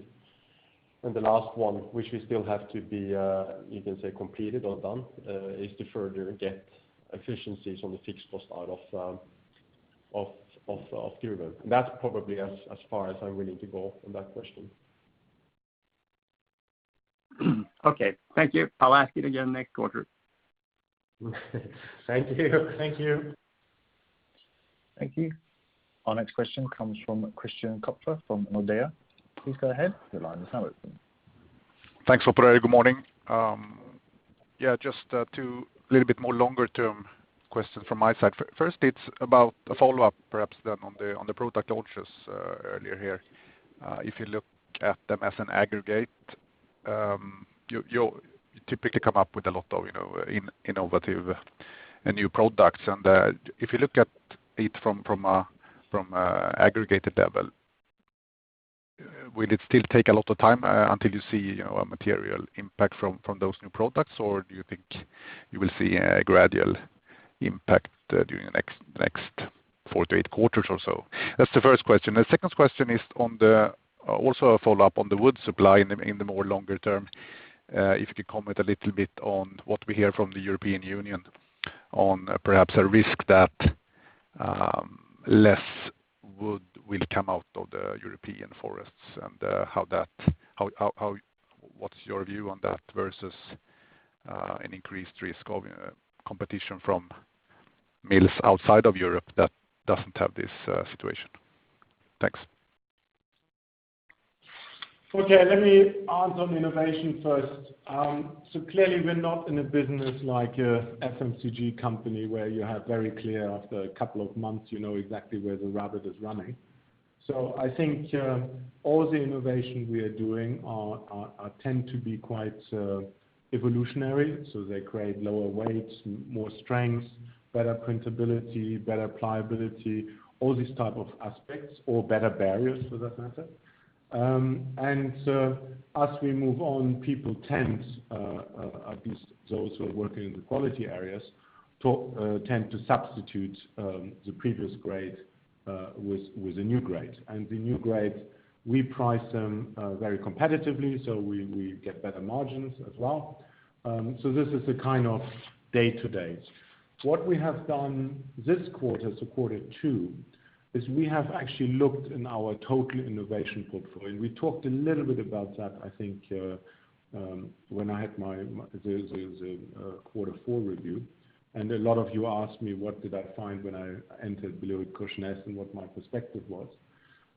The last one, which we still have to be, you can say completed or done, is to further get efficiencies on the fixed cost out of Gruvön. That's probably as far as I'm willing to go on that question. Okay, thank you. I'll ask it again next quarter. Thank you. Thank you. Thank you. Our next question comes from Christian Kopfer from Nordea. Please go ahead, your line is now open. Thanks, Operator. Good morning. Yeah, just a two little bit more longer-term question from my side. First, it's about a follow-up, perhaps then on the product launches earlier here. If you look at them as an aggregate, you typically come up with a lot of innovative and new products. If you look at it from an aggregate level, will it still take a lot of time until you see a material impact from those new products? Do you think you will see a gradual impact during the next four to eight quarters or so? That's the first question. The second question is also a follow-up on the wood supply in the more longer-term. If you could comment a little bit on what we hear from the European Union on perhaps a risk that less wood will come out of the European forests and what's your view on that versus an increased risk of competition from mills outside of Europe that doesn't have this situation? Thanks. Okay, let me answer on innovation first. Clearly we're not in a business like a FMCG company where you have very clear after a couple of months, you know exactly where the rabbit is running. I think all the innovations we are doing tend to be quite evolutionary. They create lower weights, more strength, better printability, better pliability, all these type of aspects, or better barriers for that matter. As we move on, people tend, at least those who are working in the quality areas, tend to substitute the previous grade with a new grade. The new grades, we price them very competitively, so we get better margins as well. This is the kind of day to day. What we have done this quarter, so quarter two, is we have actually looked in our total innovation portfolio. We talked a little bit about that, I think, when I had my, it was a quarter four review. A lot of you asked me what did I find when I entered BillerudKorsnäs and what my perspective was.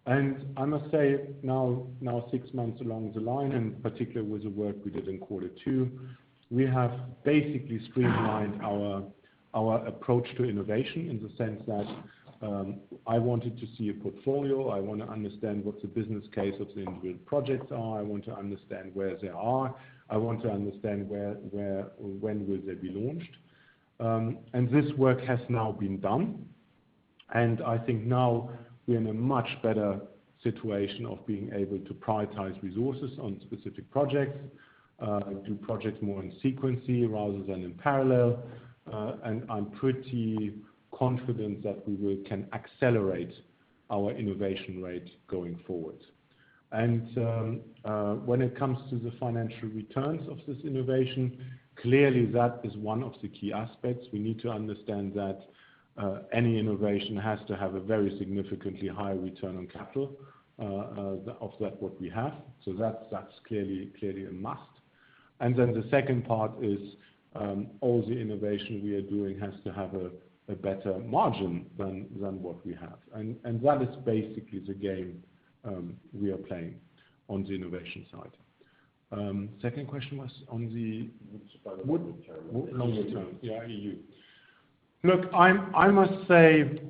I must say now, six months along the line, particularly with the work we did in quarter two, we have basically streamlined our approach to innovation in the sense that I wanted to see a portfolio. I want to understand what the business case of the individual projects are. I want to understand where they are. I want to understand when will they be launched. This work has now been done, and I think now we are in a much better situation of being able to prioritize resources on specific projects, do projects more in sequence rather than in parallel. I'm pretty confident that we can accelerate our innovation rate going forward. When it comes to the financial returns of this innovation, clearly that is one of the key aspects. We need to understand that any innovation has to have a very significantly higher return on capital of that what we have. That's clearly a must. Then the second part is all the innovation we are doing has to have a better margin than what we have. That is basically the game we are playing on the innovation side. Second question was on the wood- Wood.... wood longer-term. Yeah, EU. Look, I must say,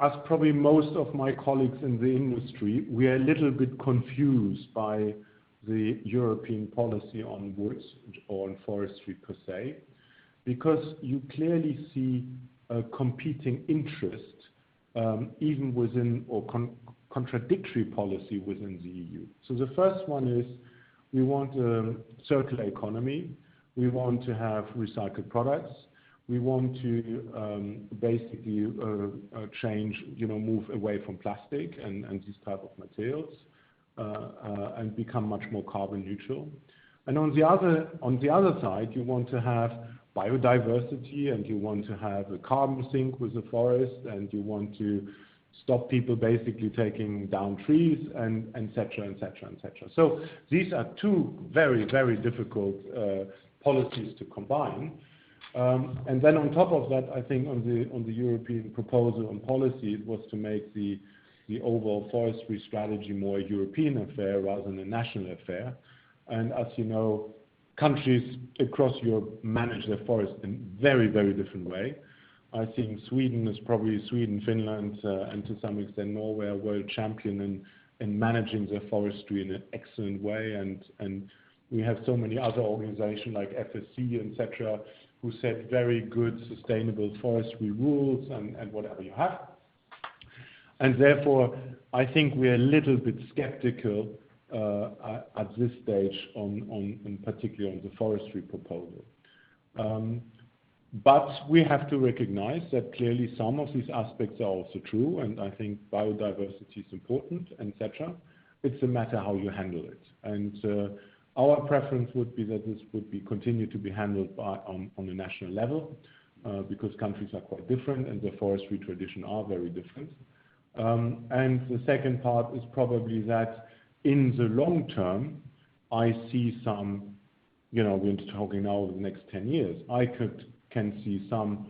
as probably most of my colleagues in the industry, we are a little bit confused by the European policy on woods or on forestry per se, because you clearly see a competing interest even within, or contradictory policy within the EU. The first one is we want a circular economy. We want to have recycled products. We want to basically change, move away from plastic and these type of materials, and become much more carbon neutral. On the other side, you want to have biodiversity, and you want to have a carbon sink with the forest, and you want to stop people basically taking down trees, and et cetera. These are two very difficult policies to combine. On top of that, I think on the European proposal and policy, it was to make the overall forestry strategy more a European affair rather than a national affair. As you know, countries across Europe manage their forest in very different way. I think Sweden is probably, Sweden, Finland, and to some extent Norway, are world champion in managing their forestry in an excellent way. We have so many other organization like FSC, et cetera, who set very good sustainable forestry rules and whatever you have. I think we are a little bit skeptical at this stage on, in particular, on the forestry proposal. We have to recognize that clearly some of these aspects are also true, and I think biodiversity is important, et cetera. It's a matter how you handle it. Our preference would be that this would be continued to be handled on a national level, because countries are quite different and the forestry tradition are very different. The second part is probably that in the long-term, we're talking now over the next 10 years, I can see some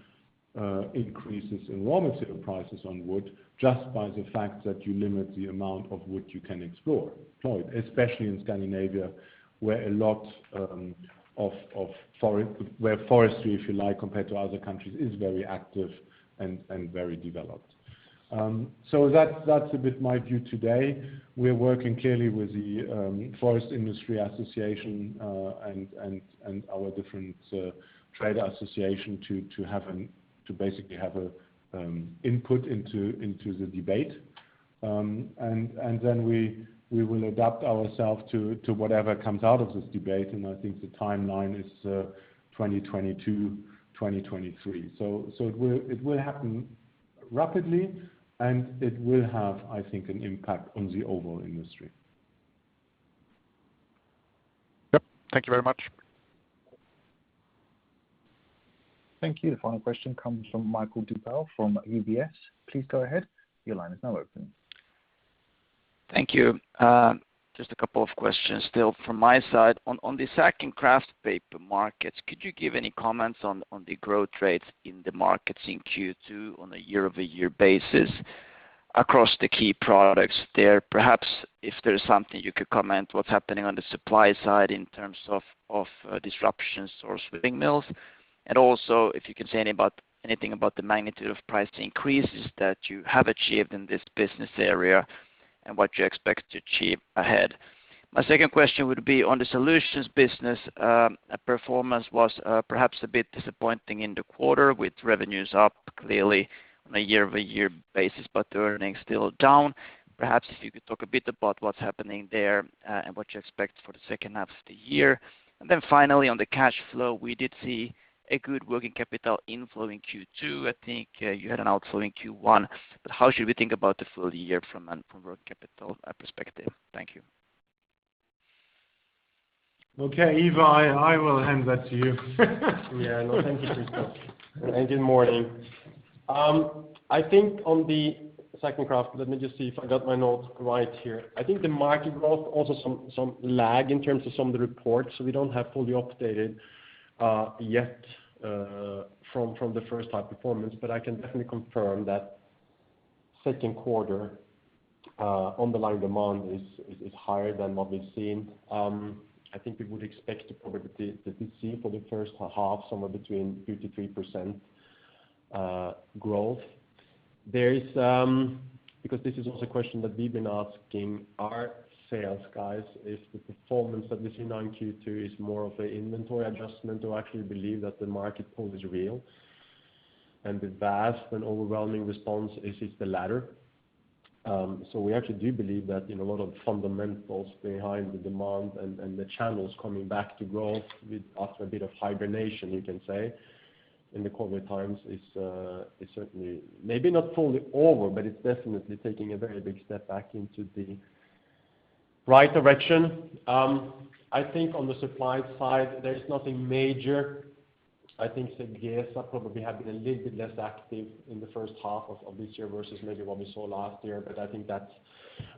increases in raw material prices on wood just by the fact that you limit the amount of wood you can explore. Especially in Scandinavia, where a lot of forestry, if you like, compared to other countries, is very active and very developed. That's a bit my view today. We're working clearly with the Swedish Forest Industries Federation, and our different trade association to basically have a input into the debate. We will adapt ourself to whatever comes out of this debate, and I think the timeline is 2022, 2023. It will happen rapidly and it will have, I think, an impact on the overall industry. Yep. Thank you very much. Thank you. The final question comes from Mikael Doepel from UBS. Thank you. Just a couple of questions still from my side. On the sack and kraft paper markets, could you give any comments on the growth rates in the markets in Q2 on a year-over-year basis across the key products there? Perhaps if there's something you could comment what's happening on the supply side in terms of disruptions or swinging mills. Also, if you can say anything about the magnitude of price increases that you have achieved in this business area and what you expect to achieve ahead. My second question would be on the solutions business. Performance was perhaps a bit disappointing in the quarter with revenues up clearly on a year-over-year basis, the earnings still down. Perhaps if you could talk a bit about what's happening there, and what you expect for the second half of the year. Finally, on the cash flow, we did see a good working capital inflow in Q2. I think you had an outflow in Q1, how should we think about the full year from a working capital perspective? Thank you. Okay. Ivar, I will hand that to you. Yeah. No, thank you, Christoph. Good morning. I think on the sack and kraft, let me just see if I got my notes right here. I think the market growth also some lag in terms of some of the reports. We don't have fully updated yet, from the first half performance, but I can definitely confirm that second quarter underlying demand is higher than what we've seen. I think we would expect to probably to see for the first half, somewhere between 2%-3% growth. This is also a question that we've been asking our sales guys, if the performance that we see now in Q2 is more of a inventory adjustment or actually believe that the market pull is real. The vast and overwhelming response is it's the latter. We actually do believe that in a lot of fundamentals behind the demand and the channels coming back to growth after a bit of hibernation, you can say. In the COVID-19 times is certainly maybe not fully over, but it's definitely taking a very big step back into the right direction. On the supply side, there's nothing major. Segezha probably have been a little bit less active in the first half of this year versus maybe what we saw last year, but I think that's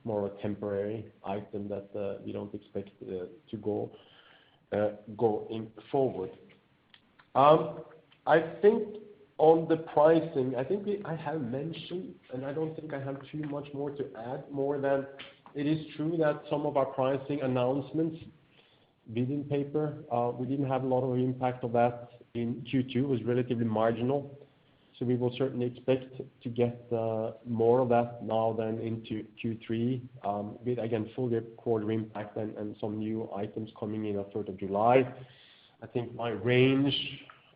more a temporary item that we don't expect to go forward. On the pricing, I think I have mentioned, I don't think I have too much more to add more than it is true that some of our pricing announcements, within paper, we didn't have a lot of impact of that in Q2, was relatively marginal. We will certainly expect to get more of that now then into Q3 with, again, full quarter impact and some new items coming in the 3rd of July. I think my range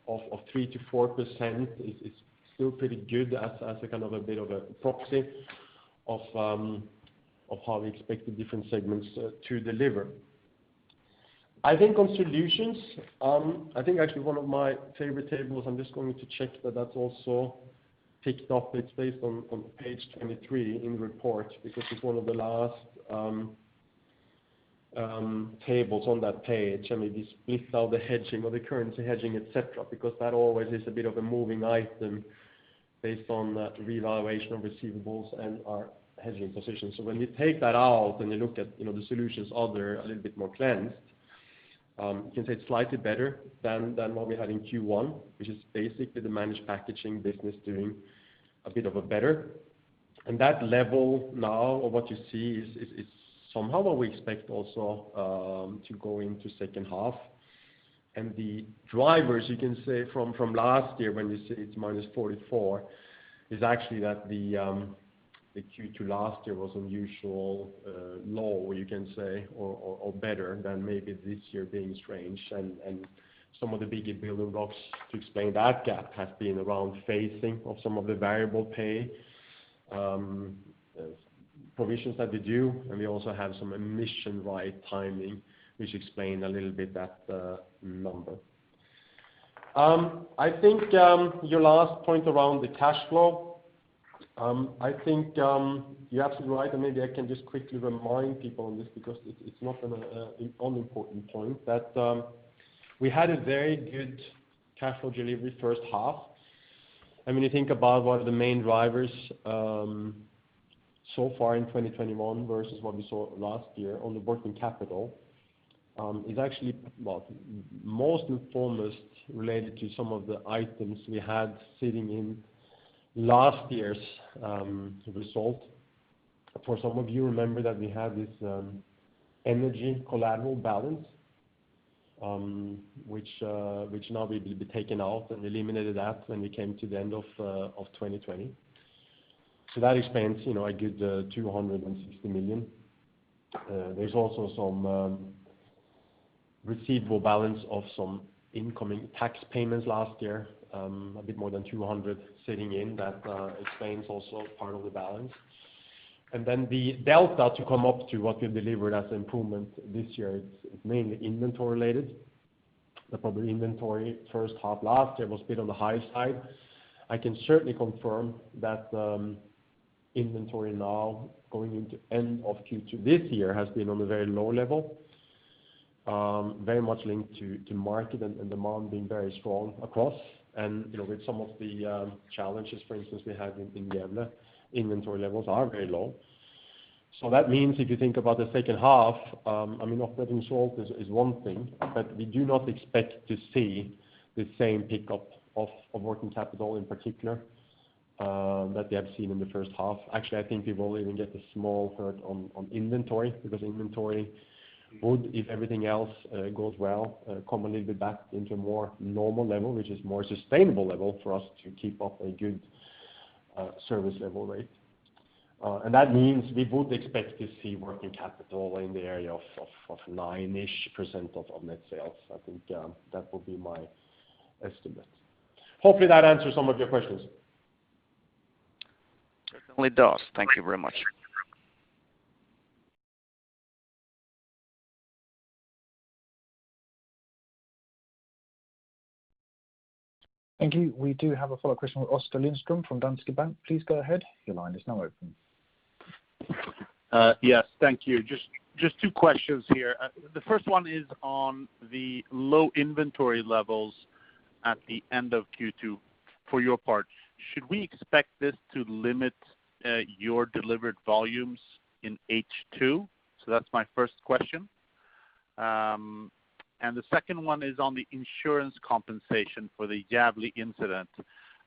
of 3%-4% is still pretty good as a kind of a bit of a proxy of how we expect the different segments to deliver. I think on solutions, I think actually one of my favorite tables, I'm just going to check that that's also picked up. It's based on page 23 in the report because it's one of the last tables on that page, and it is without the hedging or the currency hedging, et cetera, because that always is a bit of a moving item based on revaluation of receivables and our hedging position. When you take that out and you look at the solutions are there a little bit more cleansed, you can say it's slightly better than what we had in Q1, which is basically the Managed Packaging business doing a bit of a better. That level now of what you see is somehow what we expect also to go into second half. The drivers you can say from last year when you say it's -44 million, is actually that the Q2 last year was unusual low, you can say, or better than maybe this year being strange. Some of the bigger building blocks to explain that gap has been around phasing of some of the variable pay provisions that were due, and we also have some emission right timing, which explain a little bit that number. I think your last point around the cash flow, I think you're absolutely right. Maybe I can just quickly remind people on this because it's not an unimportant point that we had a very good cash flow delivery first half. When you think about what the main drivers so far in 2021 versus what we saw last year on the working capital is actually, well, most and foremost related to some of the items we had sitting in last year's result. For some of you remember that we had this energy collateral balance which now will be taken out and eliminated out when we came to the end of 2020. That explains a good SEK 260 million. There's also some receivable balance of some incoming tax payments last year, a bit more than 200 million sitting in that explains also part of the balance. The delta to come up to what we've delivered as improvement this year, it's mainly inventory related. Probably inventory first half last year was a bit on the high side. I can certainly confirm that inventory now going into end of Q2 this year has been on a very low level, very much linked to market and demand being very strong across. With some of the challenges, for instance, we have in Gävle, inventory levels are very low. That means if you think about the second half, operating result is one thing, but we do not expect to see the same pickup of working capital in particular that we have seen in the first half. Actually, I think we will even get a small hurt on inventory because inventory would, if everything else goes well, come a little bit back into a more normal level, which is more sustainable level for us to keep up a good service level rate. That means we would expect to see working capital in the area of 9-ish% of net sales. I think that will be my estimate. Hopefully, that answers some of your questions. It certainly does. Thank you very much. Thank you. We do have a follow-up question with Oskar Lindström from Danske Bank. Please go ahead. Your line is now open. Yes. Thank you. Just two questions here. The first one is on the low inventory levels at the end of Q2. For your part, should we expect this to limit your delivered volumes in H2? That's my first question. The second one is on the insurance compensation for the Gävle mill incident.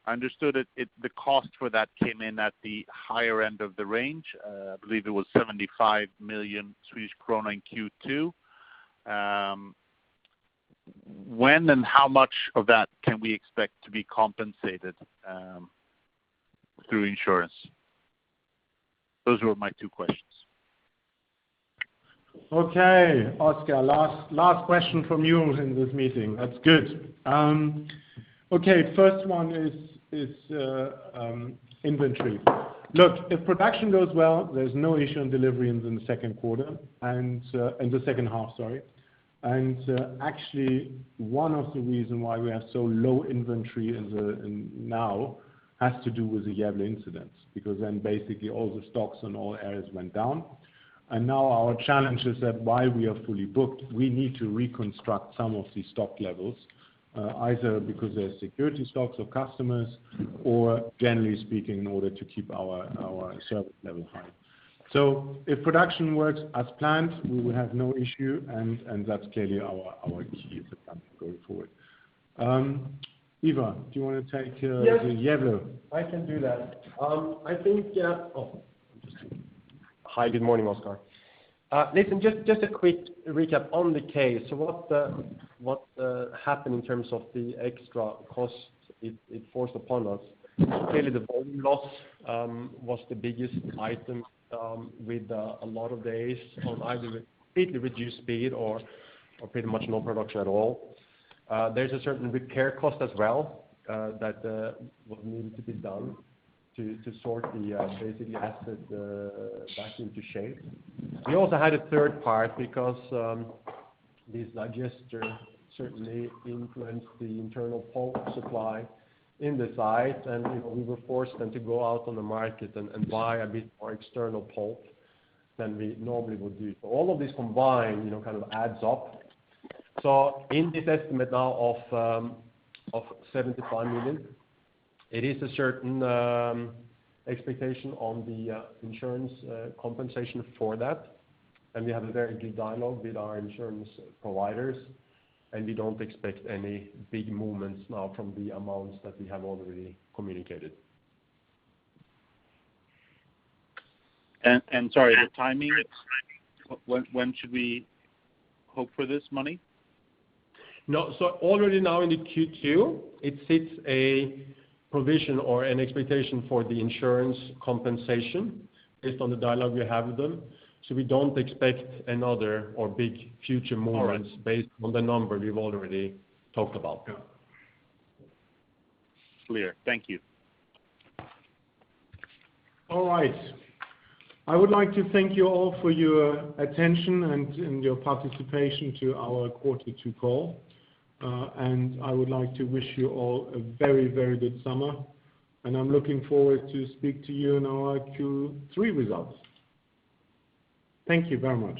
I understood that the cost for that came in at the higher end of the range. I believe it was 75 million Swedish krona in Q2. When and how much of that can we expect to be compensated through insurance? Those were my two questions. Okay, Oskar, last question from you in this meeting. That's good. Okay. First one is inventory. Look, if production goes well, there's no issue on delivery in the second quarter and in the second half, sorry. Actually, one of the reason why we are so low inventory now has to do with the Gävle mill incident, because then basically all the stocks in all areas went down. Now our challenge is that while we are fully booked, we need to reconstruct some of the stock levels, either because they're security stocks or customers, or generally speaking, in order to keep our service level high. If production works as planned, we will have no issue, and that's clearly our key [audio distortion] going forward. Ivar, do you want to take the Gävle? Yes, I can do that. Hi, good morning, Oskar. Listen, just a quick recap on the case. What happened in terms of the extra cost it forced upon us? Clearly, the volume loss was the biggest item, with a lot of days on either completely reduced speed or pretty much no production at all. There's a certain repair cost as well that needed to be done to sort the basically asset back into shape. We also had a third part because this digester certainly influenced the internal pulp supply in the site, and we were forced then to go out on the market and buy a bit more external pulp than we normally would do. All of this combined kind of adds up. In this estimate now of 75 million, it is a certain expectation on the insurance compensation for that, and we have a very good dialogue with our insurance providers, and we don't expect any big movements now from the amounts that we have already communicated. Sorry, the timing? When should we hope for this money? Already now in the Q2, it sits a provision or an expectation for the insurance compensation based on the dialogue we have with them. We don't expect another or big future movements based on the number we've already talked about. Clear. Thank you. All right. I would like to thank you all for your attention and your participation to our quarter two call. I would like to wish you all a very good summer, and I am looking forward to speak to you in our Q3 results. Thank you very much.